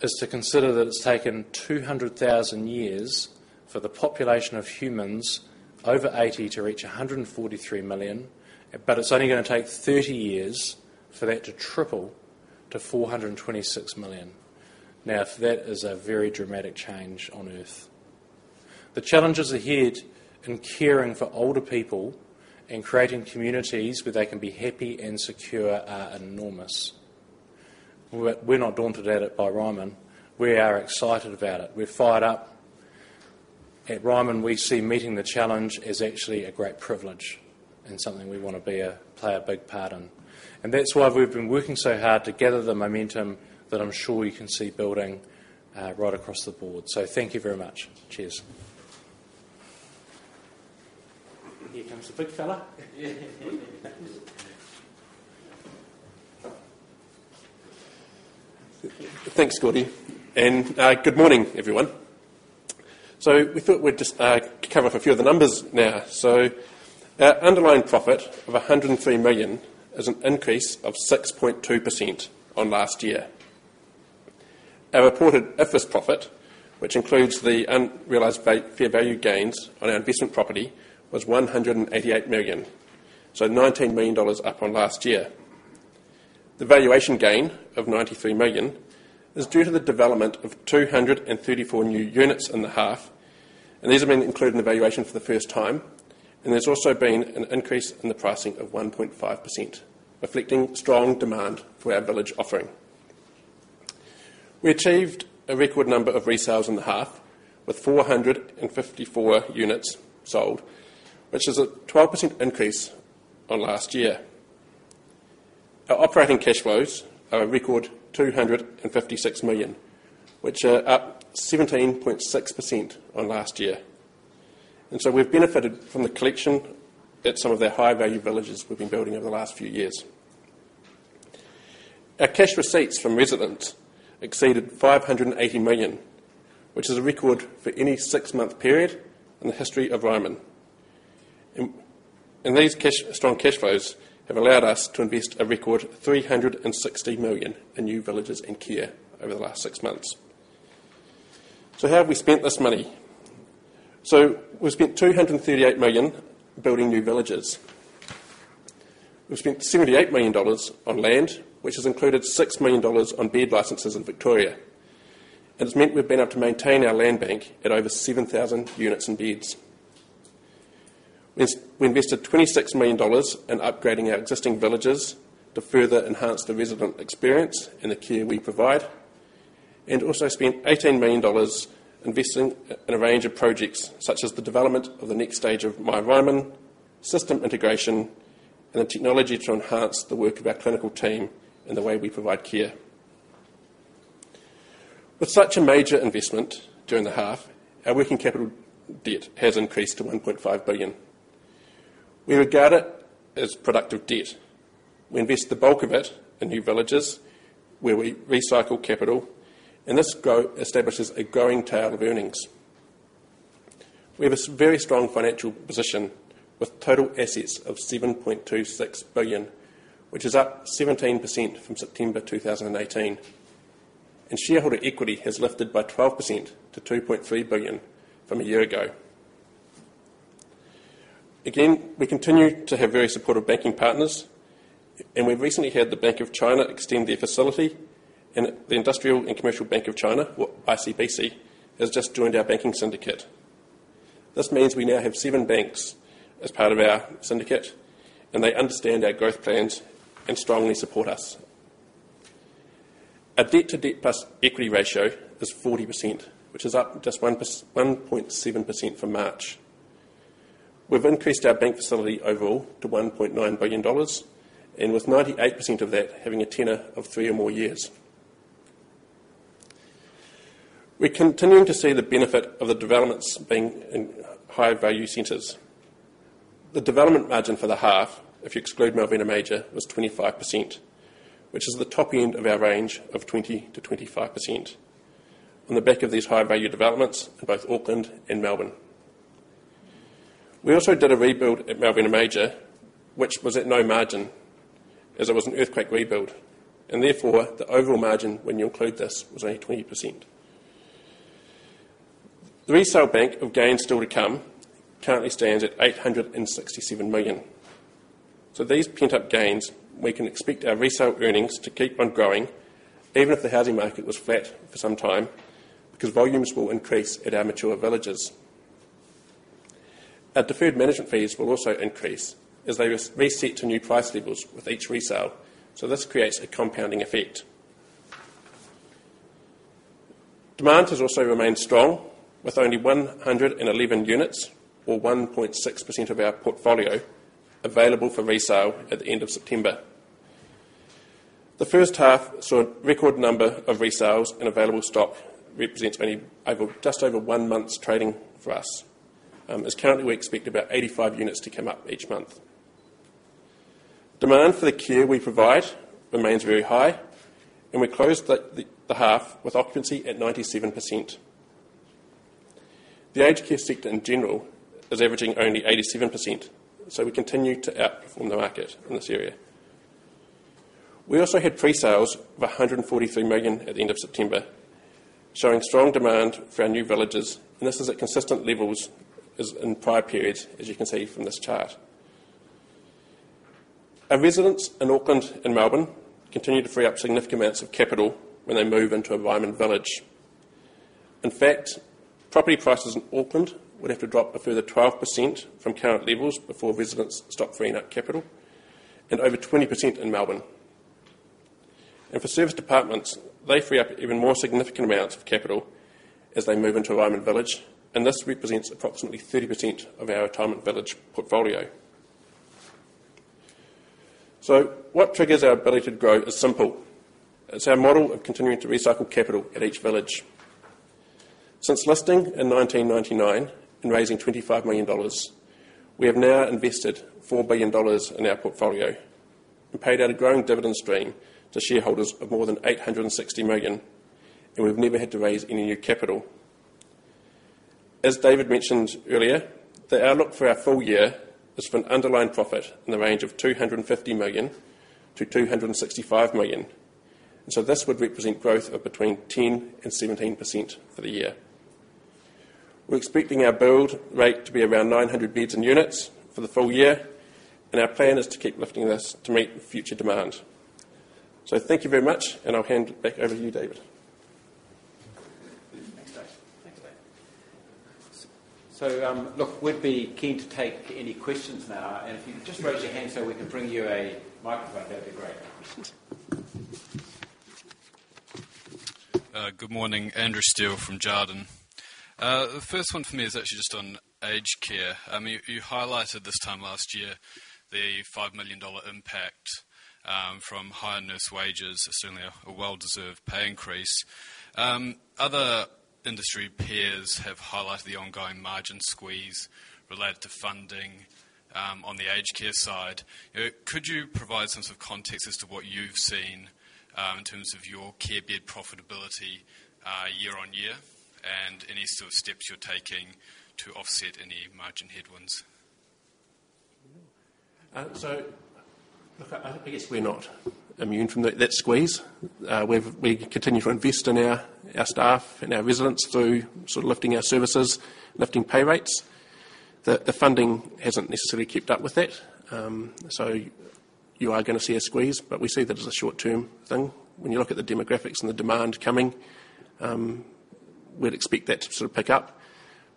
is to consider that it's taken 200,000 years for the population of humans over 80 to reach 143 million, but it's only going to take 30 years for that to triple to 426 million. Now, that is a very dramatic change on Earth. The challenges ahead in caring for older people and creating communities where they can be happy and secure are enormous. We're not daunted at it by Ryman. We are excited about it. We're fired up. At Ryman, we see meeting the challenge as actually a great privilege and something we want to play a big part in. That's why we've been working so hard to gather the momentum that I'm sure you can see building right across the board. Thank you very much. Cheers.
Here comes the big fella. Thanks, Gordy, and good morning, everyone. We thought we'd just cover a few of the numbers now. Our underlying profit of 103 million is an increase of 6.2% on last year. Our reported IFRS profit, which includes the unrealized fair value gains on our investment property, was 188 million. 19 million dollars up on last year. The valuation gain of 93 million is due to the development of 234 new units in the half, and these have been included in the valuation for the first time, and there's also been an increase in the pricing of 1.5%, reflecting strong demand for our village offering. We achieved a record number of resales in the half, with 454 units sold, which is a 12% increase on last year. Our operating cash flows are a record 256 million, which are up 17.6% on last year. We've benefited from the collection at some of the high-value villages we've been building over the last few years. Our cash receipts from residents exceeded 580 million, which is a record for any six-month period in the history of Ryman. These strong cash flows have allowed us to invest a record 360 million in new villages and care over the last six months. How have we spent this money? We spent 238 million building new villages. We've spent 78 million dollars on land, which has included 6 million dollars on bed licenses in Victoria. It has meant we've been able to maintain our land bank at over 7,000 units and beds. We invested 26 million dollars in upgrading our existing villages to further enhance the resident experience and the care we provide, also spent 18 million dollars investing in a range of projects, such as the development of the next stage of myRyman system integration and the technology to enhance the work of our clinical team and the way we provide care. With such a major investment during the half, our working capital debt has increased to 1.5 billion. We regard it as productive debt. We invest the bulk of it in new villages where we recycle capital, and this establishes a growing tail of earnings. We have a very strong financial position with total assets of NZD 7.26 billion, which is up 17% from September 2018. Shareholder equity has lifted by 12% to 2.3 billion from a year ago. We continue to have very supportive banking partners, we've recently had the Bank of China extend their facility and the Industrial and Commercial Bank of China, or ICBC, has just joined our banking syndicate. This means we now have seven banks as part of our syndicate, they understand our growth plans and strongly support us. Our debt-to-debt-plus-equity ratio is 40%, which is up just 1.7% from March. We've increased our bank facility overall to 1.9 billion dollars, with 98% of that having a tenor of three or more years. We're continuing to see the benefit of the developments being in high-value centers. The development margin for the half, if you exclude Malvina Major, was 25%, which is the top end of our range of 20%-25% on the back of these high-value developments in both Auckland and Melbourne. We also did a rebuild at Malvina Major, which was at no margin, as it was an earthquake rebuild, and therefore, the overall margin when you include this was only 20%. The resale bank of gains still to come currently stands at 867 million. These pent-up gains, we can expect our resale earnings to keep on growing even if the housing market was flat for some time, because volumes will increase at our mature villages. Our deferred management fees will also increase as they reset to new price levels with each resale, so this creates a compounding effect. Demand has also remained strong, with only 111 units or 1.6% of our portfolio available for resale at the end of September. The first half saw a record number of resales and available stock represents only just over one month's trading for us. As currently, we expect about 85 units to come up each month. Demand for the care we provide remains very high, and we closed the half with occupancy at 97%. The aged care sector, in general, is averaging only 87%, so we continue to outperform the market in this area. We also had pre-sales of 143 million at the end of September, showing strong demand for our new villages. This is at consistent levels as in prior periods, as you can see from this chart. Our residents in Auckland and Melbourne continue to free up significant amounts of capital when they move into a Ryman village. In fact, property prices in Auckland would have to drop a further 12% from current levels before residents stop freeing up capital and over 20% in Melbourne. For serviced apartments, they free up even more significant amounts of capital as they move into a Ryman village, and this represents approximately 30% of our retirement village portfolio. What triggers our ability to grow is simple. It's our model of continuing to recycle capital at each village. Since listing in 1999 and raising 25 million dollars, we have now invested 4 billion dollars in our portfolio and paid out a growing dividend stream to shareholders of more than 860 million, and we've never had to raise any new capital. As David mentioned earlier, the outlook for our full year is for an underlying profit in the range of 250 million-265 million. This would represent growth of between 10%-17% for the year. We're expecting our build rate to be around 900 beds and units for the full year, and our plan is to keep lifting this to meet future demand. Thank you very much, and I'll hand it back over to you, David.
Thanks, Dave. Look, we'd be keen to take any questions now. If you could just raise your hand so we can bring you a microphone, that'd be great.
Good morning. Andrew Steele from Jarden. The first one for me is actually just on aged care. You highlighted this time last year the 5 million dollar impact from higher nurse wages, certainly a well-deserved pay increase. Other industry peers have highlighted the ongoing margin squeeze related to funding on the aged care side. Could you provide some sort of context as to what you've seen in terms of your care bed profitability year on year and any sort of steps you're taking to offset any margin headwinds?
Look, I guess we're not immune from that squeeze. We continue to invest in our staff and our residents through sort of lifting our services, lifting pay rates. The funding hasn't necessarily kept up with that. You are going to see a squeeze, but we see that as a short-term thing. When you look at the demographics and the demand coming, we'd expect that to pick up.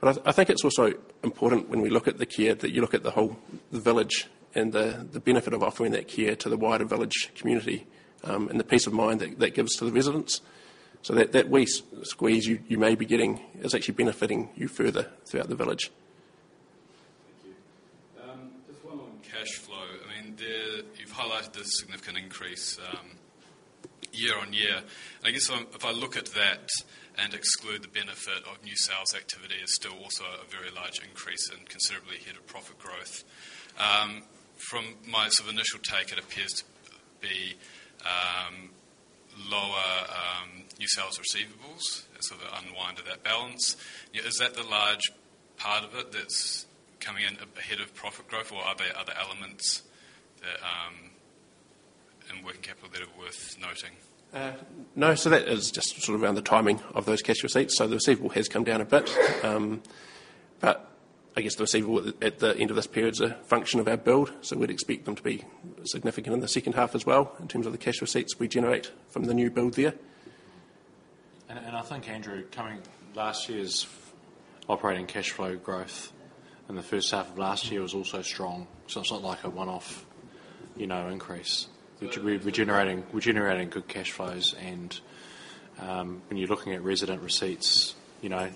I think it's also important when we look at the care that you look at the whole village and the benefit of offering that care to the wider village community and the peace of mind that gives to the residents. That wee squeeze you may be getting is actually benefiting you further throughout the village.
Thank you. Just one on cash flow. You've highlighted the significant increase year-over-year. I guess if I look at that and exclude the benefit of new sales activity is still also a very large increase and considerably ahead of profit growth. From my initial take, it appears to be lower new sales receivables, so the unwind of that balance. Is that the large part of it that's coming in ahead of profit growth or are there other elements in working capital that are worth noting?
That is just around the timing of those cash receipts. The receivable has come down a bit. I guess the receivable at the end of this period is a function of our build, so we would expect them to be significant in the second half as well in terms of the cash receipts we generate from the new build there.
I think, Andrew, coming last year's operating cash flow growth in the first half of last year was also strong. It's not like a one-off increase. We're generating good cash flows and when you're looking at resident receipts, 1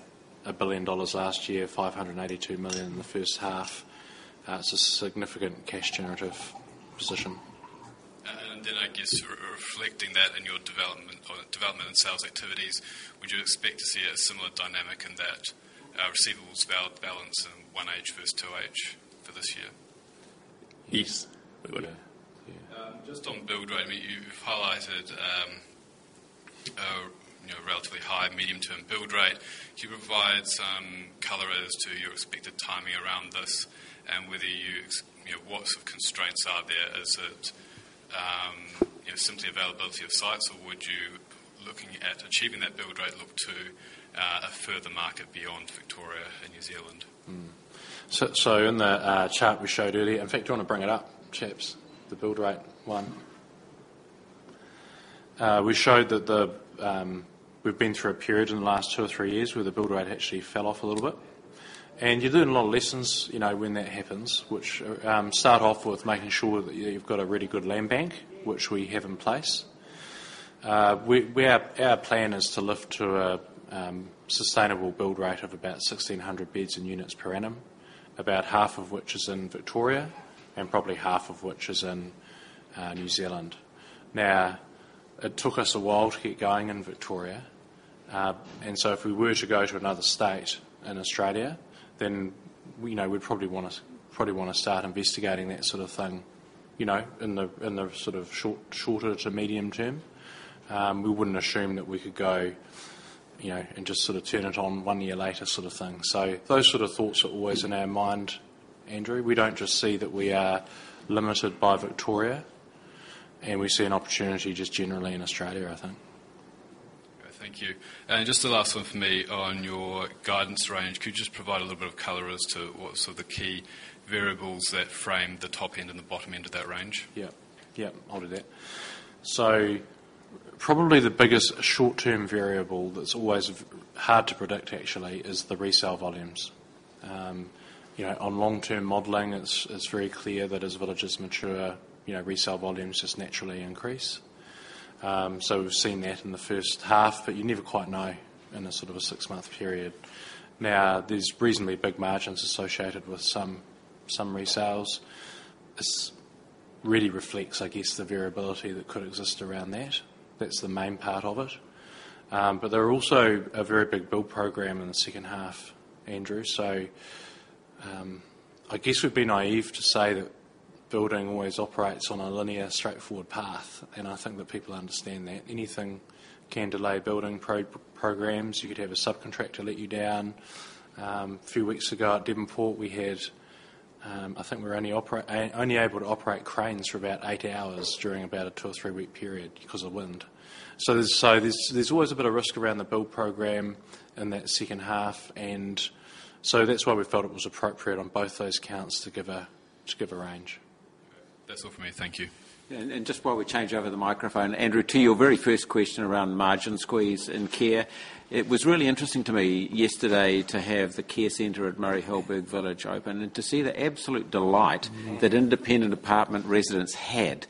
billion dollars last year, 582 million in the first half, it's a significant cash generative position.
I guess reflecting that in your development and sales activities, would you expect to see a similar dynamic in that receivables balance in 1H versus 2H for this year?
Yes, we would.
Just on build rate, you've highlighted a relatively high medium-term build rate. Could you provide some color as to your expected timing around this and what constraints are there? Is it simply availability of sites, or would you, looking at achieving that build rate, look to a further market beyond Victoria and New Zealand?
In the chart we showed earlier, in fact, do you want to bring it up, chaps, the build rate one? We showed that we've been through a period in the last two or three years where the build rate actually fell off a little bit. You learn a lot of lessons when that happens, which start off with making sure that you've got a really good land bank, which we have in place. Our plan is to lift to a sustainable build rate of about 1,600 beds and units per annum, about half of which is in Victoria and probably half of which is in New Zealand. Now, it took us a while to get going in Victoria, and so if we were to go to another state in Australia, then we'd probably want to start investigating that sort of thing in the shorter to medium term. We wouldn't assume that we could go and just turn it on one year later sort of thing. Those sort of thoughts are always in our mind, Andrew. We don't just see that we are limited by Victoria, and we see an opportunity just generally in Australia, I think.
Thank you. Just the last one for me on your guidance range. Could you just provide a little bit of color as to what the key variables that frame the top end and the bottom end of that range?
Yeah. Probably the biggest short-term variable that's always hard to predict actually is the resale volumes. On long-term modeling, it's very clear that as villages mature, resale volumes just naturally increase. We've seen that in the first half, but you never quite know in a six-month period. Now, there's reasonably big margins associated with some resales. This really reflects, I guess, the variability that could exist around that. That's the main part of it. There are also a very big build program in the second half, Andrew. I guess we'd be naive to say that building always operates on a linear, straightforward path, and I think that people understand that. Anything can delay building programs. You could have a subcontractor let you down. A few weeks ago at Devonport, I think we were only able to operate cranes for about eight hours during about a two or three-week period because of wind. There's always a bit of risk around the build program in that second half and so that's why we felt it was appropriate on both those counts to give a range.
Okay. That's all from me. Thank you.
Just while we change over the microphone, Andrew, to your very first question around margin squeeze in care, it was really interesting to me yesterday to have the care center at Murray Halberg Village open and to see the absolute delight that independent apartment residents had.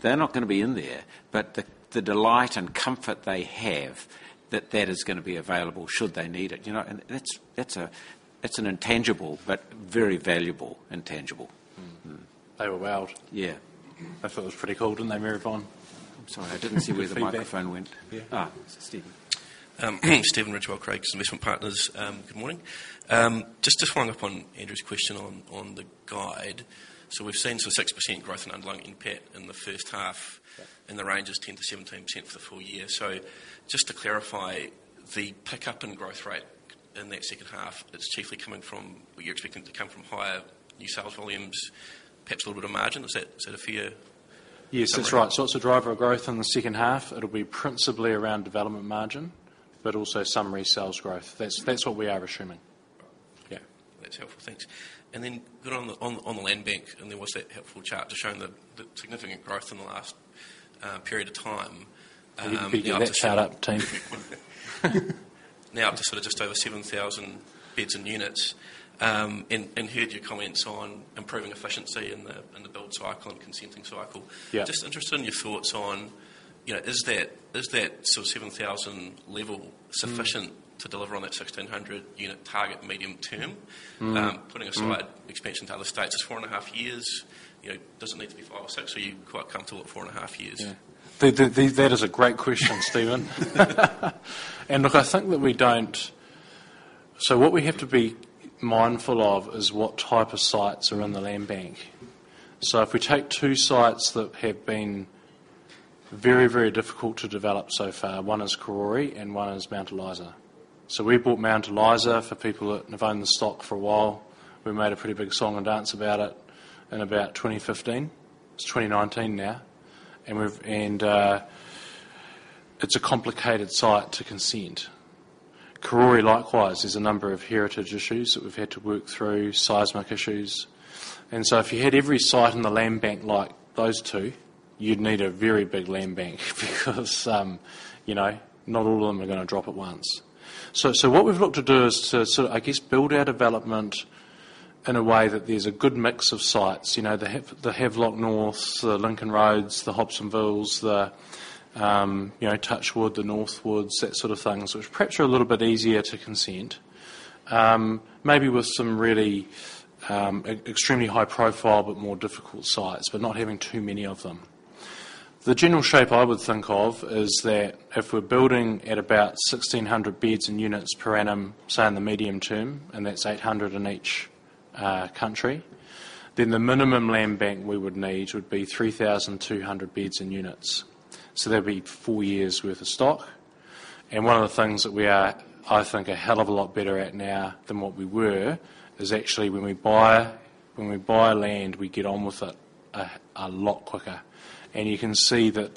They're not going to be in there, but the delight and comfort they have that that is going to be available should they need it. That's an intangible, but very valuable intangible.
They were wowed.
Yeah.
They thought it was pretty cool, didn't they, Maryvonne?
I'm sorry, I didn't see where the microphone went.
Over at the back. Yeah.
Stephen.
Stephen Ridgewell, Craigs Investment Partners. Good morning. Just to follow up on Andrew's question on the guide, we've seen some 6% growth in underlying NPAT in the first half. And the range is 10%-17% for the full year. Just to clarify, the pickup in growth rate in that second half, it's chiefly coming from, well, you're expecting to come from higher new sales volumes, perhaps a little bit of margin. Is that a fair summary?
Yes, that's right. It's a driver of growth in the second half. It'll be principally around development margin, but also some resales growth. That's what we are assuming.
Right. Yeah. That's helpful. Thanks. Good on the land bank, and there was that helpful chart just showing the significant growth in the last period of time.
We need to figure that chart out, team.
Now to sort of just over 7,000 beds and units. Heard your comments on improving efficiency in the build cycle and consenting cycle. Just interested in your thoughts on, is that sort of 7,000 level sufficient to deliver on that 1,600 unit target medium term? Putting aside expansion to other states, is 4.5 years, does it need to be five or six, or are you quite comfortable at 4.5 Years?
Yeah. That is a great question, Stephen. What we have to be mindful of is what type of sites are in the land bank. If we take two sites that have been very, very difficult to develop so far, one is Karori, and one is Mount Eliza. We bought Mount Eliza for people that have owned the stock for a while. We made a pretty big song and dance about it in about 2015. It's 2019 now. It's a complicated site to consent. Karori likewise, there's a number of heritage issues that we've had to work through, seismic issues. If you had every site in the land bank like those two, you'd need a very big land bank because not all of them are going to drop at once. What we've looked to do is to sort of build our development in a way that there's a good mix of sites. The Havelock Norths, the Lincoln Roads, the Hobsonvilles, the Touchwood, the Northwoods, that sort of thing, which perhaps are a little bit easier to consent. Maybe with some really extremely high profile but more difficult sites, but not having too many of them. The general shape I would think of is that if we're building at about 1,600 beds and units per annum, say in the medium term, and that's 800 in each country, then the minimum land bank we would need would be 3,200 beds and units. That'd be four years' worth of stock. One of the things that we are, I think, a hell of a lot better at now than what we were, is actually when we buy land, we get on with it a lot quicker. You can see that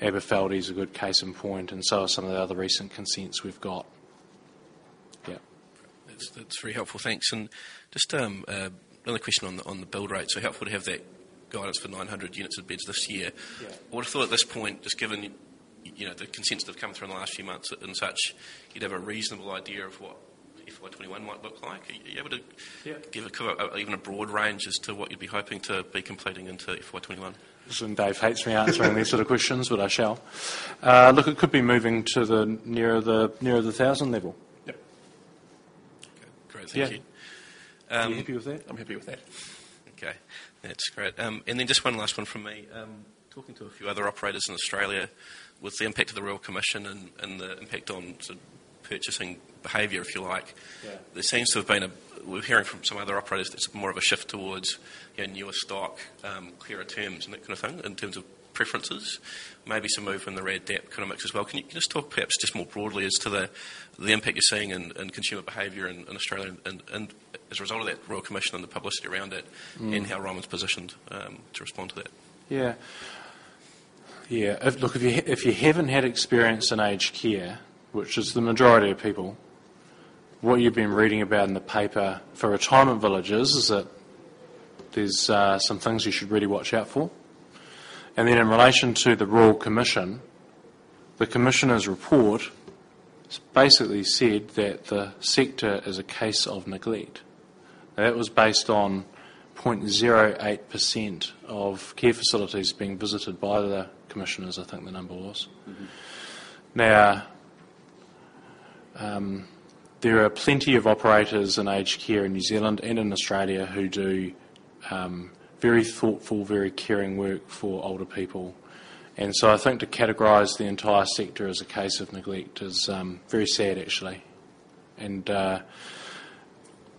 Aberfeldie is a good case in point, and so are some of the other recent consents we've got. Yeah.
That's very helpful. Thanks. Just another question on the build rates. Helpful to have that guidance for 900 units of beds this year.
Yeah.
I would have thought at this point, just given the consents that have come through in the last few months and such, you'd have a reasonable idea of what FY 2021 might look like. Are you able to give even a broad range as to what you'd be hoping to be completing into FY 2021?
I assume Dave hates me answering these sort of questions, but I shall. Look, it could be moving to nearer the 1,000 level.
Yep. Okay, great. Thank you.
Yeah. Are you happy with that?
I'm happy with that. Okay, that's great. Just one last one from me. Talking to a few other operators in Australia, with the impact of the Royal Commission and the impact on purchasing behavior, if you like. There seems to have been a. We're hearing from some other operators there's more of a shift towards newer stock, clearer terms and that kind of thing in terms of preferences. Maybe some move from the RAD DAP mix as well. Can you just talk perhaps just more broadly as to the impact you're seeing in consumer behavior in Australia and as a result of that Royal Commission and the publicity around it? How Ryman's positioned to respond to that?
Yeah. Look, if you haven't had experience in aged care, which is the majority of people, what you've been reading about in the paper for retirement villages is that there's some things you should really watch out for. In relation to the Royal Commission, the commissioner's report basically said that the sector is a case of neglect. That was based on 0.08% of care facilities being visited by the commissioners, I think the number was. There are plenty of operators in aged care in New Zealand and in Australia who do very thoughtful, very caring work for older people. I think to categorize the entire sector as a case of neglect is very sad actually.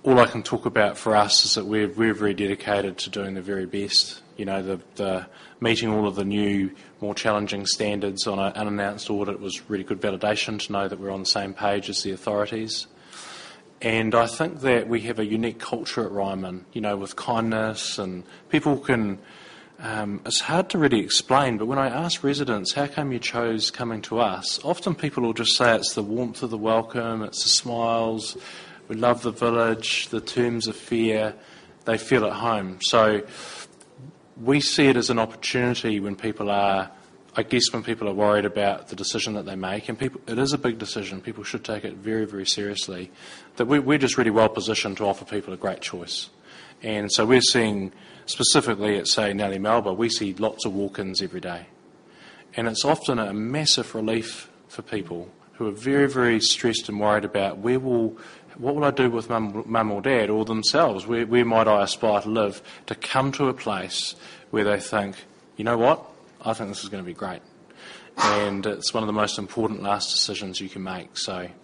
All I can talk about for us is that we're very dedicated to doing the very best. Meeting all of the new, more challenging standards on an unannounced audit was really good validation to know that we're on the same page as the authorities. I think that we have a unique culture at Ryman, with kindness and It's hard to really explain, but when I ask residents: How come you chose coming to us? Often people will just say it's the warmth of the welcome, it's the smiles. We love the village, the terms of fair. They feel at home. We see it as an opportunity when people are worried about the decision that they make. It is a big decision. People should take it very seriously. That we're just really well-positioned to offer people a great choice. We're seeing specifically at, say, now in Melbourne, we see lots of walk-ins every day. It's often a massive relief for people who are very stressed and worried about what will I do with mom or dad or themselves? Where might I aspire to live? To come to a place where they think, "You know what? I think this is going to be great." It's one of the most important last decisions you can make.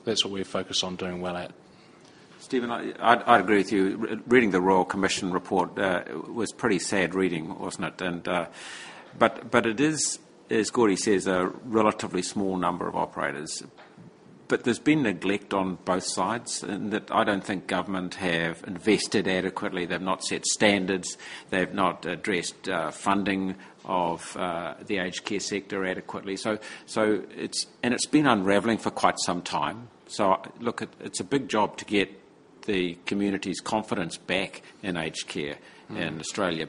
That's what we're focused on doing well at.
Stephen, I agree with you. Reading the Royal Commission report, was pretty sad reading, wasn't it? It is, as Gordy says, a relatively small number of operators. There's been neglect on both sides, in that I don't think government have invested adequately. They've not set standards. They've not addressed funding of the aged care sector adequately. It's been unraveling for quite some time. Look, it's a big job to get the community's confidence back in aged care in Australia.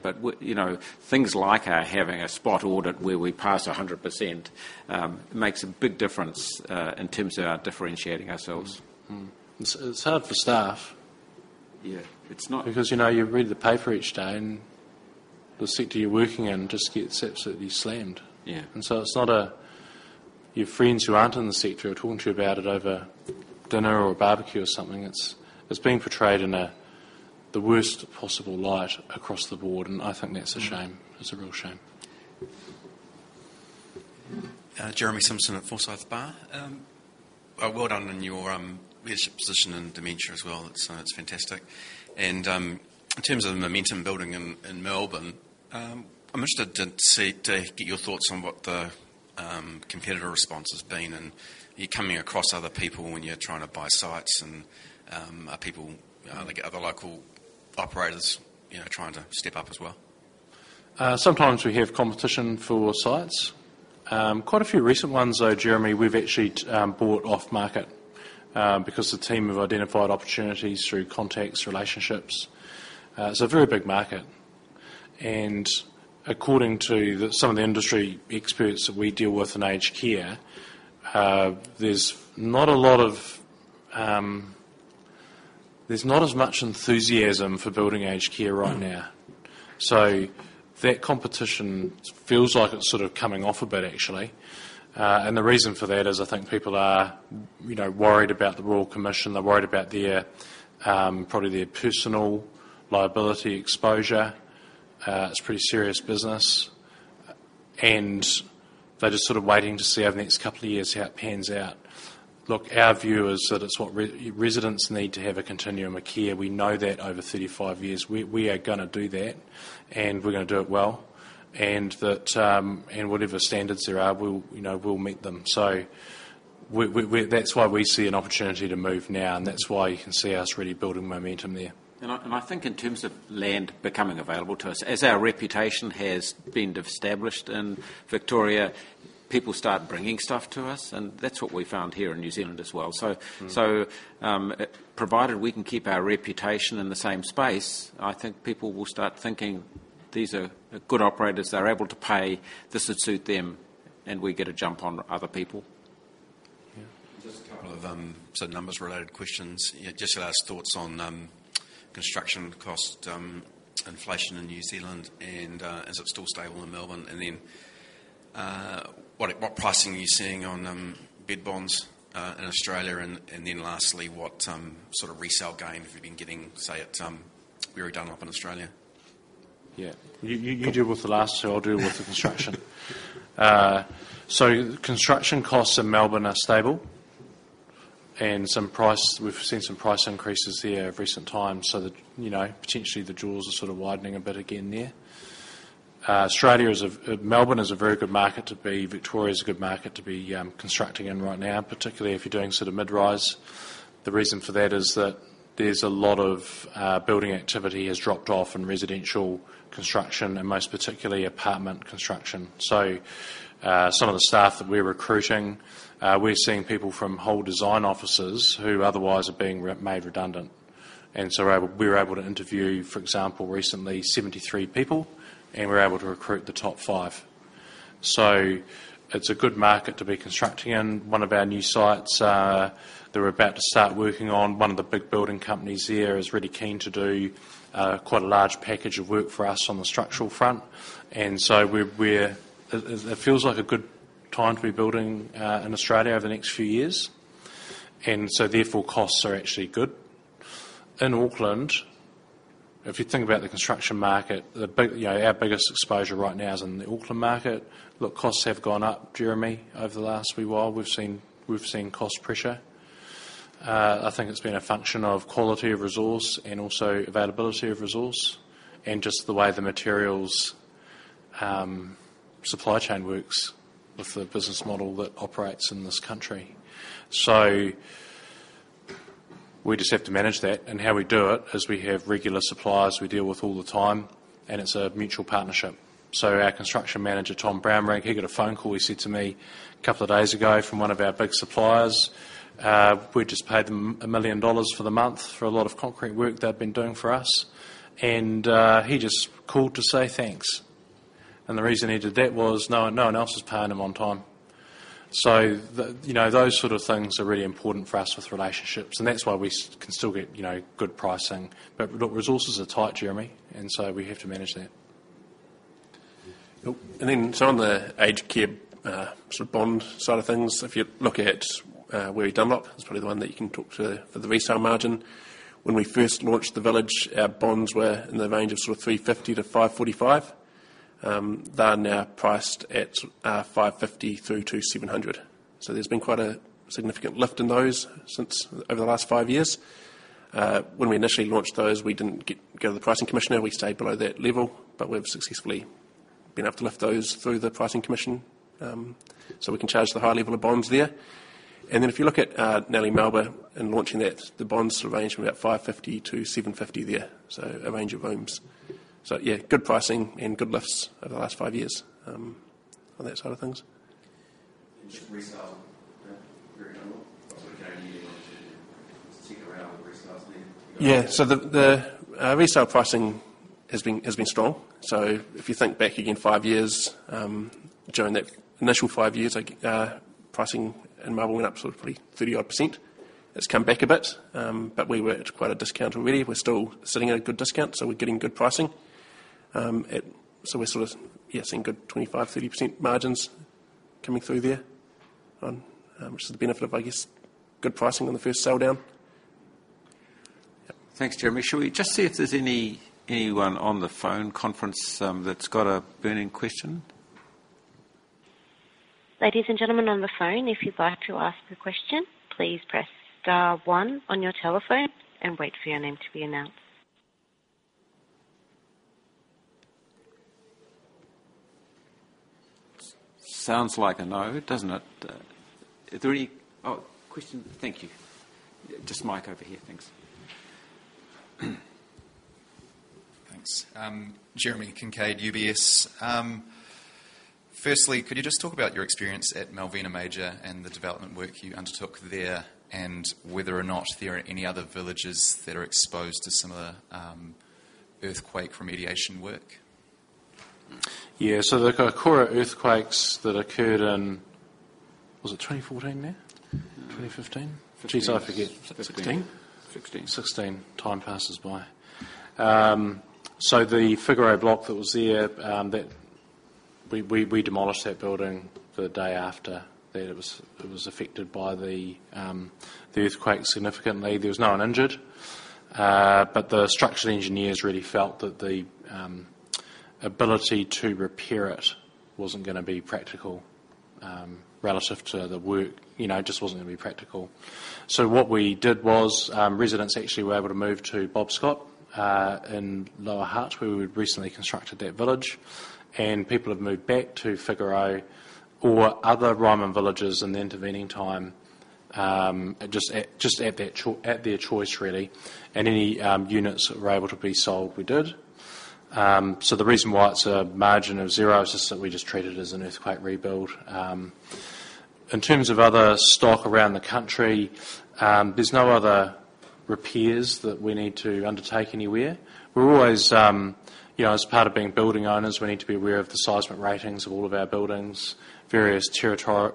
Things like our having a spot audit where we pass 100%, makes a big difference in terms of our differentiating ourselves.
It's hard for staff.
Yeah.
You read the paper each day and the sector you're working in just gets absolutely slammed.
Yeah.
It's not your friends who aren't in the sector are talking to you about it over dinner or a barbecue or something. It's being portrayed in the worst possible light across the board, and I think that's a shame. It's a real shame.
Jeremy Simpson at Forsyth Barr. Well done on your leadership position in dementia as well. It's fantastic. In terms of the momentum building in Melbourne, I'm interested to get your thoughts on what the competitor response has been, and you're coming across other people when you're trying to buy sites and are other local operators trying to step up as well?
Sometimes we have competition for sites. Quite a few recent ones though, Jeremy, we've actually bought off market because the team have identified opportunities through contacts, relationships. According to some of the industry experts that we deal with in aged care, there's not as much enthusiasm for building aged care right now. That competition feels like it's sort of coming off a bit, actually. The reason for that is I think people are worried about the Royal Commission. They're worried about probably their personal liability exposure. It's pretty serious business. They're just sort of waiting to see over the next couple of years how it pans out. Look, our view is that residents need to have a continuum of care. We know that over 35 years. We are going to do that, and we're going to do it well. Whatever standards there are, we'll meet them. That's why we see an opportunity to move now, and that's why you can see us really building momentum there.
I think in terms of land becoming available to us, as our reputation has been established in Victoria, people start bringing stuff to us. That's what we found here in New Zealand as well. Provided we can keep our reputation in the same space, I think people will start thinking these are good operators, they're able to pay, this would suit them, and we get a jump on other people.
Yeah.
Just a couple of numbers related questions. Just your thoughts on construction cost inflation in New Zealand, and is it still stable in Melbourne? What pricing are you seeing on bed bonds in Australia? Lastly, what sort of resale gain have you been getting, say, at Weary Dunlop in Australia?
Yeah. You deal with the last two, I'll deal with the construction. Construction costs in Melbourne are stable, we've seen some price increases there of recent times, potentially the jaws are sort of widening a bit again there. Melbourne is a very good market to be, Victoria is a good market to be constructing in right now, particularly if you're doing mid-rise. The reason for that is that there's a lot of building activity has dropped off in residential construction and most particularly apartment construction. Some of the staff that we're recruiting, we're seeing people from whole design offices who otherwise are being made redundant. We were able to interview, for example, recently 73 people, we were able to recruit the top five. It's a good market to be constructing in. One of our new sites that we're about to start working on, one of the big building companies there is really keen to do quite a large package of work for us on the structural front. It feels like a good time to be building in Australia over the next few years. Therefore, costs are actually good. In Auckland, if you think about the construction market, our biggest exposure right now is in the Auckland market. Look, costs have gone up, Jeremy, over the last wee while. We've seen cost pressure. I think it's been a function of quality of resource and also availability of resource and just the way the materials supply chain works with the business model that operates in this country. We just have to manage that. How we do it is we have regular suppliers we deal with all the time, and it's a mutual partnership. Our Construction Manager, Tom Brownrigg, he got a phone call, he said to me a couple of days ago from one of our big suppliers, we just paid them 1 million dollars for the month for a lot of concrete work they've been doing for us. He just called to say thanks. The reason he did that was no one else is paying him on time. Those sort of things are really important for us with relationships, and that's why we can still get good pricing. Look, resources are tight, Jeremy, we have to manage that.
Yep. On the aged care bond side of things, if you look at Weary Dunlop, it's probably the one that you can talk to for the resale margin. When we first launched the village, our bonds were in the range of 350-545. They are now priced at 550 through to 700. There's been quite a significant lift in those over the last five years. When we initially launched those, we didn't go to the pricing commissioner. We stayed below that level. We've successfully been able to lift those through the pricing commission, so we can charge the high level of bonds there. If you look at Nellie Melba and launching that, the bonds range from about 550 to 750 there, so a range of rooms. Yeah, good pricing and good lifts over the last five years on that side of things.
Just resale for. [inaudible]
Yeah. The resale pricing has been strong. If you think back again five years, during that initial five years, pricing in Melb went up sort of probably 30-odd%. It's come back a bit, but we were at quite a discount already. We're still sitting at a good discount, so we're getting good pricing. We're seeing good 25%, 30% margins coming through there, which is the benefit of, I guess, good pricing on the first sale down.
Thanks, Jeremy. Shall we just see if there's anyone on the phone conference that's got a burning question?
Ladies and gentlemen on the phone, if you'd like to ask a question, please press star one on your telephone and wait for your name to be announced.
Sounds like a no, doesn't it? Are there any? Oh, question. Thank you. Just mic over here. Thanks.
Thanks. Jeremy Kincaid, UBS. Firstly, could you just talk about your experience at Malvina Major and the development work you undertook there and whether or not there are any other villages that are exposed to similar earthquake remediation work?
Yeah. The Kaikoura earthquakes that occurred in, was it 2014 then? 2015? Geez, I forget.
2016.
2016. Time passes by. The Figaro block that was there, we demolished that building the day after that it was affected by the earthquake significantly. There was no one injured, but the structural engineers really felt that the ability to repair it wasn't going to be practical relative to the work, just wasn't going to be practical. What we did was, residents actually were able to move to Bob Scott in Lower Hutt, where we've recently constructed that village. People have moved back to Figaro or other Ryman villages in the intervening time, just at their choice, really. Any units that were able to be sold, we did. The reason why it's a margin of zero is just that we just treat it as an earthquake rebuild. In terms of other stock around the country, there's no other repairs that we need to undertake anywhere. As part of being building owners, we need to be aware of the seismic ratings of all of our buildings. Various territorial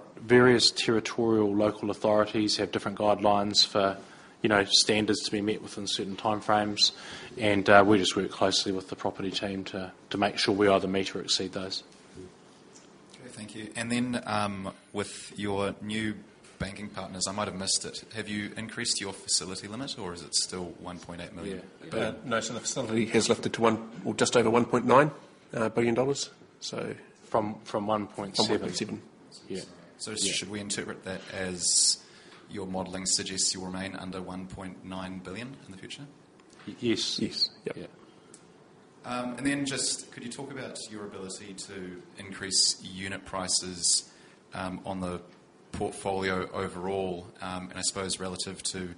local authorities have different guidelines for standards to be met within certain time frames. We just work closely with the property team to make sure we either meet or exceed those.
Okay. Thank you. With your new banking partners, I might have missed it. Have you increased your facility limit or is it still 1.8 billion?
Yeah. No. The facility has lifted to just over 1.9 billion dollars.
From 1.7 billion.
From 1.7 billion. Yeah.
Should we interpret that as your modeling suggests you'll remain under 1.9 billion in the future?
Yes.
Yes. Yep.
Yeah.
Just could you talk about your ability to increase unit prices on the portfolio overall, and I suppose relative to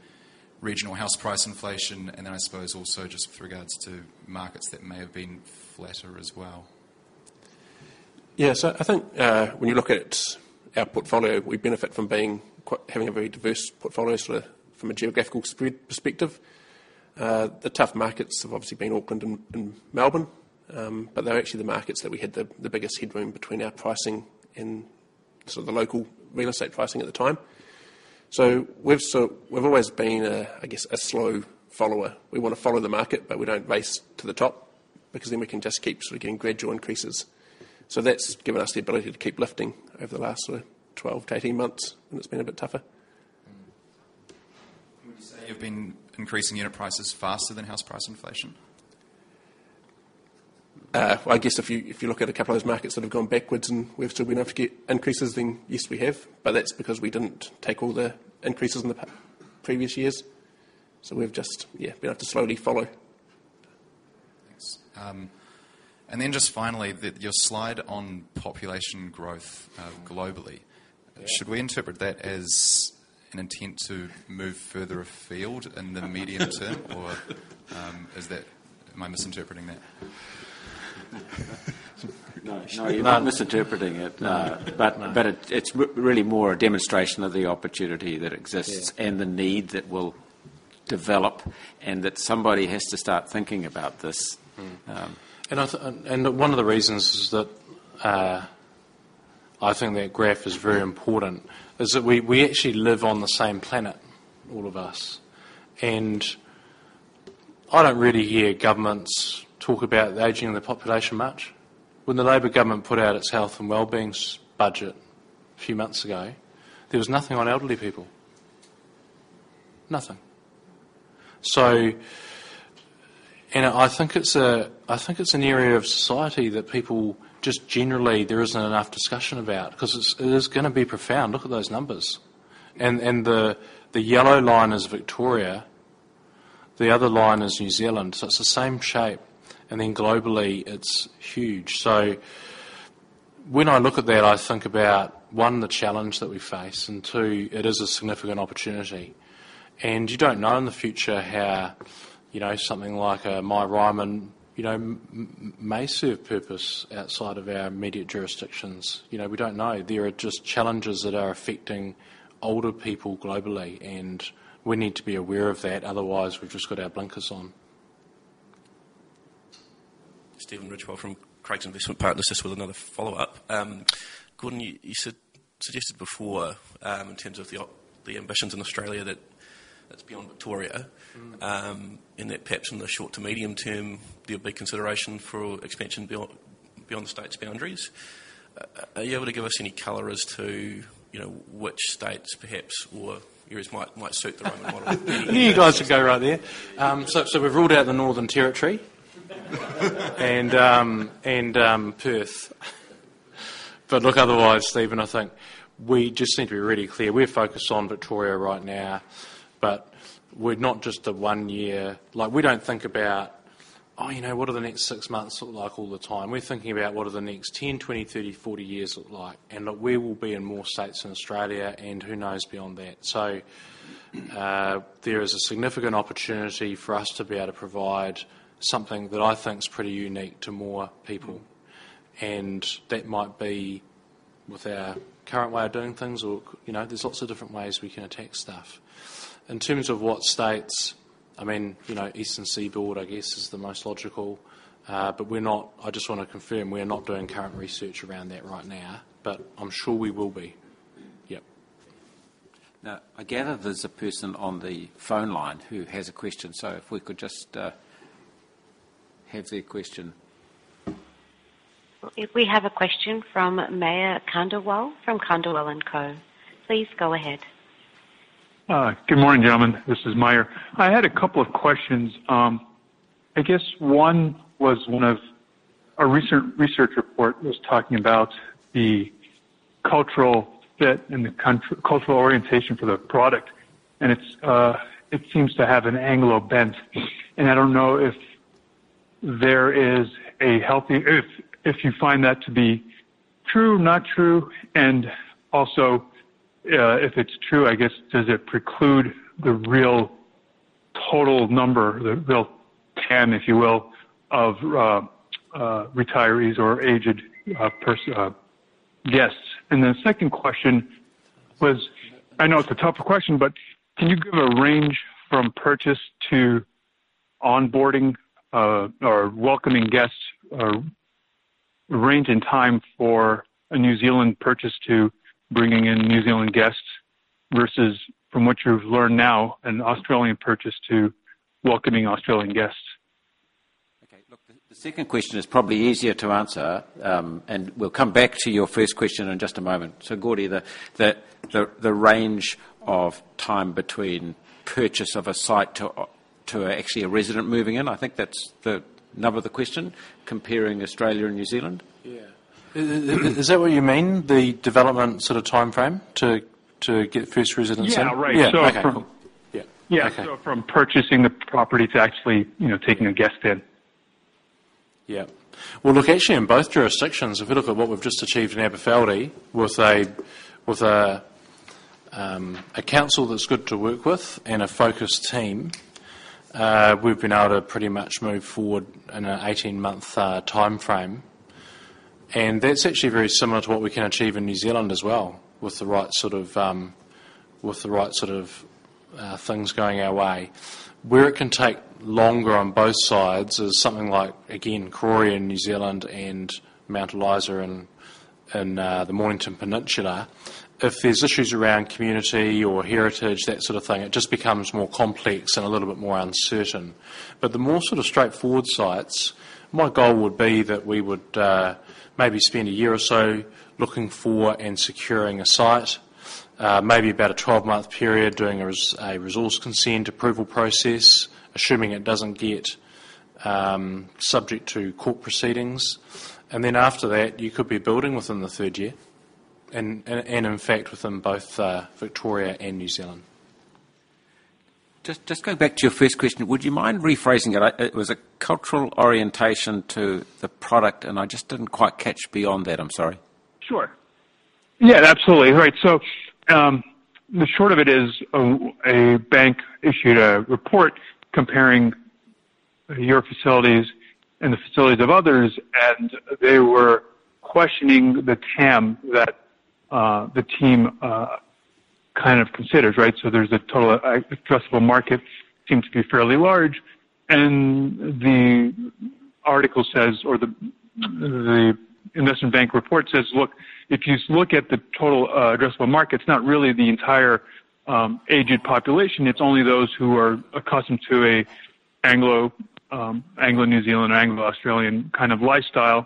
regional house price inflation, and then I suppose also just with regards to markets that may have been flatter as well?
I think when you look at our portfolio, we benefit from having a very diverse portfolio from a geographical spread perspective. The tough markets have obviously been Auckland and Melbourne, but they're actually the markets that we had the biggest headroom between our pricing and the local real estate pricing at the time. We've always been, I guess, a slow follower. We want to follow the market, but we don't race to the top Because then we can just keep getting gradual increases. That's given us the ability to keep lifting over the last 12 to 18 months when it's been a bit tougher.
Would you say you've been increasing unit prices faster than house price inflation?
I guess if you look at a couple of those markets that have gone backwards and we've still been able to get increases, then yes, we have, but that's because we didn't take all the increases in the previous years. We've just, yeah, been able to slowly follow.
Thanks. Just finally, your slide on population growth globally.
Yeah.
Should we interpret that as an intent to move further afield in the medium term? Am I misinterpreting that?
No, you're not misinterpreting it, no. It's really more a demonstration of the opportunity that exists.
Yeah
The need that will develop and that somebody has to start thinking about this.
One of the reasons is that I think that graph is very important is that we actually live on the same planet, all of us. I don't really hear governments talk about the aging of the population much. When the Labour government put out its health and well-being budget few months ago, there was nothing on elderly people. Nothing. I think it's an area of society that people just generally, there isn't enough discussion about because it is going to be profound. Look at those numbers. The yellow line is Victoria, the other line is New Zealand. It's the same shape. Globally, it's huge. When I look at that, I think about, one, the challenge that we face, and two, it is a significant opportunity. You don't know in the future how something like a myRyman may serve purpose outside of our immediate jurisdictions. We don't know. There are just challenges that are affecting older people globally, and we need to be aware of that. Otherwise, we've just got our blinkers on.
Stephen Ridgewell from Craigs Investment Partners, just with another follow-up. Gordon, you suggested before, in terms of the ambitions in Australia that's beyond Victoria. That perhaps in the short to medium term, there'll be consideration for expansion beyond the state's boundaries. Are you able to give us any color as to which states perhaps or areas might suit the Ryman model?
You guys can go right there. We've ruled out the Northern Territory and Perth. Look, otherwise, Stephen, I think we just need to be really clear. We're focused on Victoria right now, but we're not just a 1 year We don't think about, oh, what are the next six months look like all the time? We're thinking about what are the next 10, 20, 30, 40 years look like. Look, we will be in more states in Australia and who knows beyond that. There is a significant opportunity for us to be able to provide something that I think is pretty unique to more people, and that might be with our current way of doing things or there's lots of different ways we can attack stuff. In terms of what states, east and seaboard, I guess, is the most logical. I just want to confirm, we're not doing current research around that right now. I'm sure we will be. Yep.
I gather there's a person on the phone line who has a question. If we could just have their question.
We have a question from Mayur Khandelwal from Khandelwal & Co. Please go ahead.
Good morning, gentlemen. This is Mayur. I had a couple of questions. I guess one was one of a recent research report was talking about the cultural fit and the cultural orientation for the product, and it seems to have an Anglo bent. I don't know if you find that to be true, not true, and also, if it's true, I guess, does it preclude the real total number, the real TAM, if you will, of retirees or aged. The second question was, I know it's a tougher question, but can you give a range from purchase to onboarding or welcoming guests or range in time for a New Zealand purchase to bringing in New Zealand guests versus from what you've learned now an Australian purchase to welcoming Australian guests?
Okay. Look, the second question is probably easier to answer. We'll come back to your first question in just a moment. Gordy, the range of time between purchase of a site to actually a resident moving in, I think that's the nub of the question, comparing Australia and New Zealand.
Yeah. Is that what you mean, the development timeframe to get first residents in?
Yeah. Right.
Yeah. Okay.
Yeah.
Yeah.
Okay.
From purchasing the property to actually taking a guest in.
Well, look, actually in both jurisdictions, a bit of what we've just achieved in Aberfeldie with a council that's good to work with and a focused team, we've been able to pretty much move forward in an 18-month timeframe. That's actually very similar to what we can achieve in New Zealand as well with the right sort of things going our way. Where it can take longer on both sides is something like, again, Karori in New Zealand and Mount Eliza in the Mornington Peninsula. If there's issues around community or heritage, that sort of thing, it just becomes more complex and a little bit more uncertain. The more sort of straightforward sites, my goal would be that we would maybe spend one year or so looking for and securing a site. Maybe about a 12-month period doing a resource consent approval process, assuming it doesn't get subject to court proceedings. Then after that, you could be building within the third year. In fact, within both Victoria and New Zealand.
Just going back to your first question, would you mind rephrasing it? It was a cultural orientation to the product, and I just didn't quite catch beyond that. I'm sorry.
Sure. Yeah, absolutely. Right. The short of it is a bank issued a report comparing your facilities and the facilities of others, and they were questioning the TAM that the team kind of considers, right? There's a total addressable market, seems to be fairly large, and the article says or the investment bank report says, look, if you look at the total addressable market, it's not really the entire aged population, it's only those who are accustomed to Anglo-New Zealand or Anglo-Australian kind of lifestyle,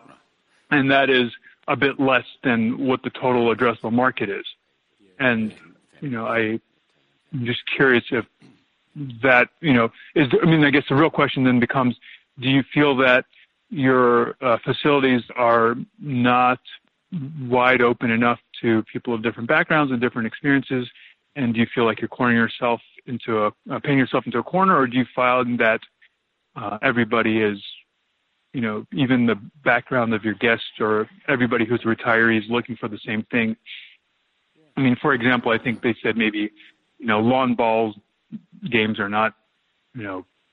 and that is a bit less than what the total addressable market is. I'm just curious if that I guess the real question then becomes, do you feel that your facilities are not wide open enough to people of different backgrounds and different experiences? Do you feel like you're painting yourself into a corner, or do you find that everybody is, even the background of your guests or everybody who's a retiree is looking for the same thing? For example, I think they said maybe lawn bowls games are not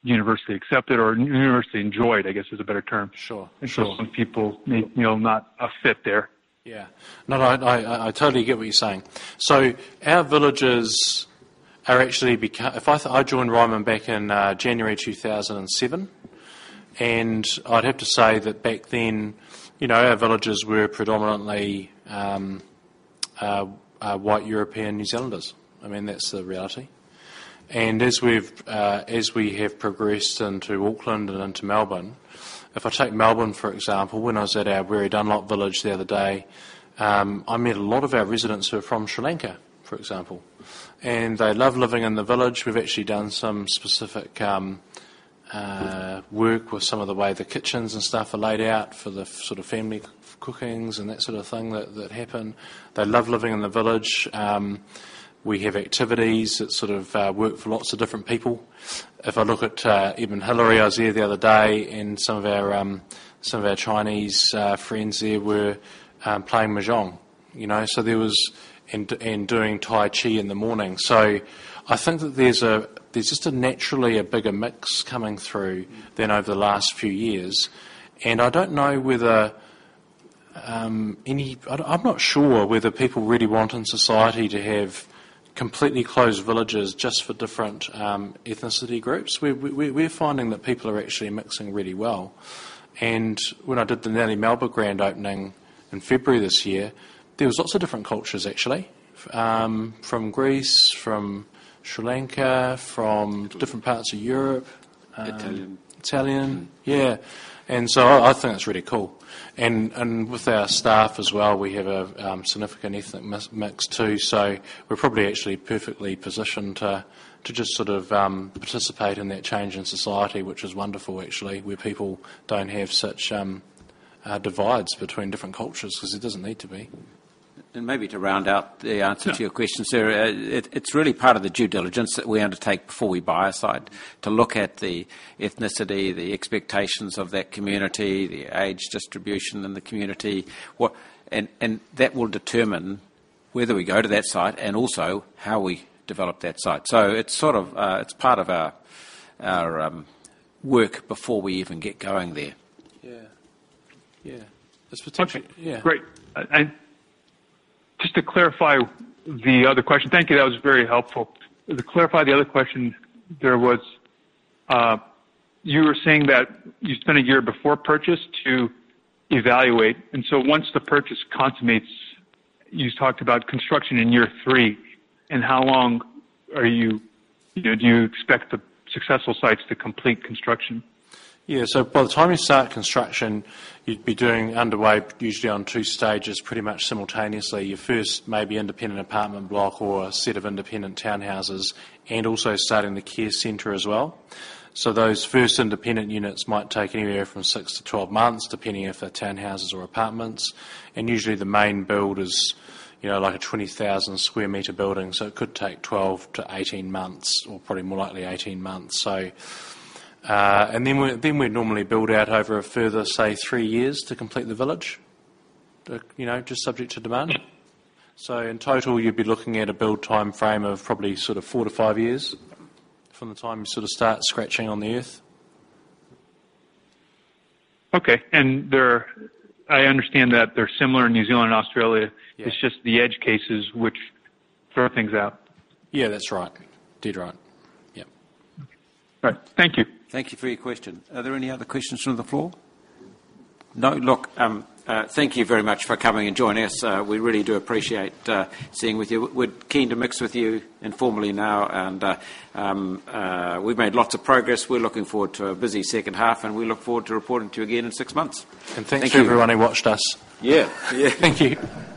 universally accepted or universally enjoyed, I guess is a better term.
Sure.
Some people may not fit there.
No, I totally get what you're saying. I joined Ryman back in January 2007, and I'd have to say that back then, our villages were predominantly white European New Zealanders. That's the reality. As we have progressed into Auckland and into Melbourne, if I take Melbourne, for example, when I was at our Weary Dunlop village the other day, I met a lot of our residents who are from Sri Lanka, for example. They love living in the village. We've actually done some specific work with some of the way the kitchens and stuff are laid out for the family cookings and that sort of thing that happen. They love living in the village. We have activities that sort of work for lots of different people. If I look at even Hillary, I was there the other day, and some of our Chinese friends there were playing Mahjong. Doing Tai Chi in the morning. I think that there's just naturally a bigger mix coming through than over the last few years. I'm not sure whether people really want in society to have completely closed villages just for different ethnicity groups. We're finding that people are actually mixing really well. When I did the Nellie Melba grand opening in February this year, there was lots of different cultures, actually. From Greece, from Sri Lanka, from different parts of Europe.
Italian.
Italian, yeah. I think that's really cool. With our staff as well, we have a significant ethnic mix, too. We're probably actually perfectly positioned to just sort of participate in that change in society, which is wonderful, actually, where people don't have such divides between different cultures because there doesn't need to be.
Maybe to round out the answer to your question, sir, it's really part of the due diligence that we undertake before we buy a site to look at the ethnicity, the expectations of that community, the age distribution in the community. That will determine whether we go to that site and also how we develop that site. It's part of our work before we even get going there.
Just to clarify the other question, thank you. That was very helpful. To clarify the other question, you were saying that you spent a year before purchase to evaluate. Once the purchase consummates, you talked about construction in year three, and how long do you expect the successful sites to complete construction?
By the time you start construction, you'd be doing underway usually on two stages, pretty much simultaneously. Your first maybe independent apartment block or a set of independent townhouses, and also starting the care center as well. Those first independent units might take anywhere from six to 12 months, depending if they're townhouses or apartments. Usually the main build is like a 20,000 sq m building, it could take 12-18 months, or probably more likely 18 months. We'd normally build out over a further, say, three years to complete the village, just subject to demand. In total, you'd be looking at a build timeframe of probably sort of four to five years from the time you sort of start scratching on the earth.
Okay. I understand that they're similar in New Zealand and Australia. It's just the edge cases which throw things out.
Yeah, that's right. Dead right. Yep.
All right. Thank you.
Thank you for your question. Are there any other questions from the floor? No? Look, thank you very much for coming and joining us. We really do appreciate seeing with you. We're keen to mix with you informally now, and we've made lots of progress. We're looking forward to a busy second half, and we look forward to reporting to you again in six months.
Thanks to everyone who watched us.
Yeah.
Thank you.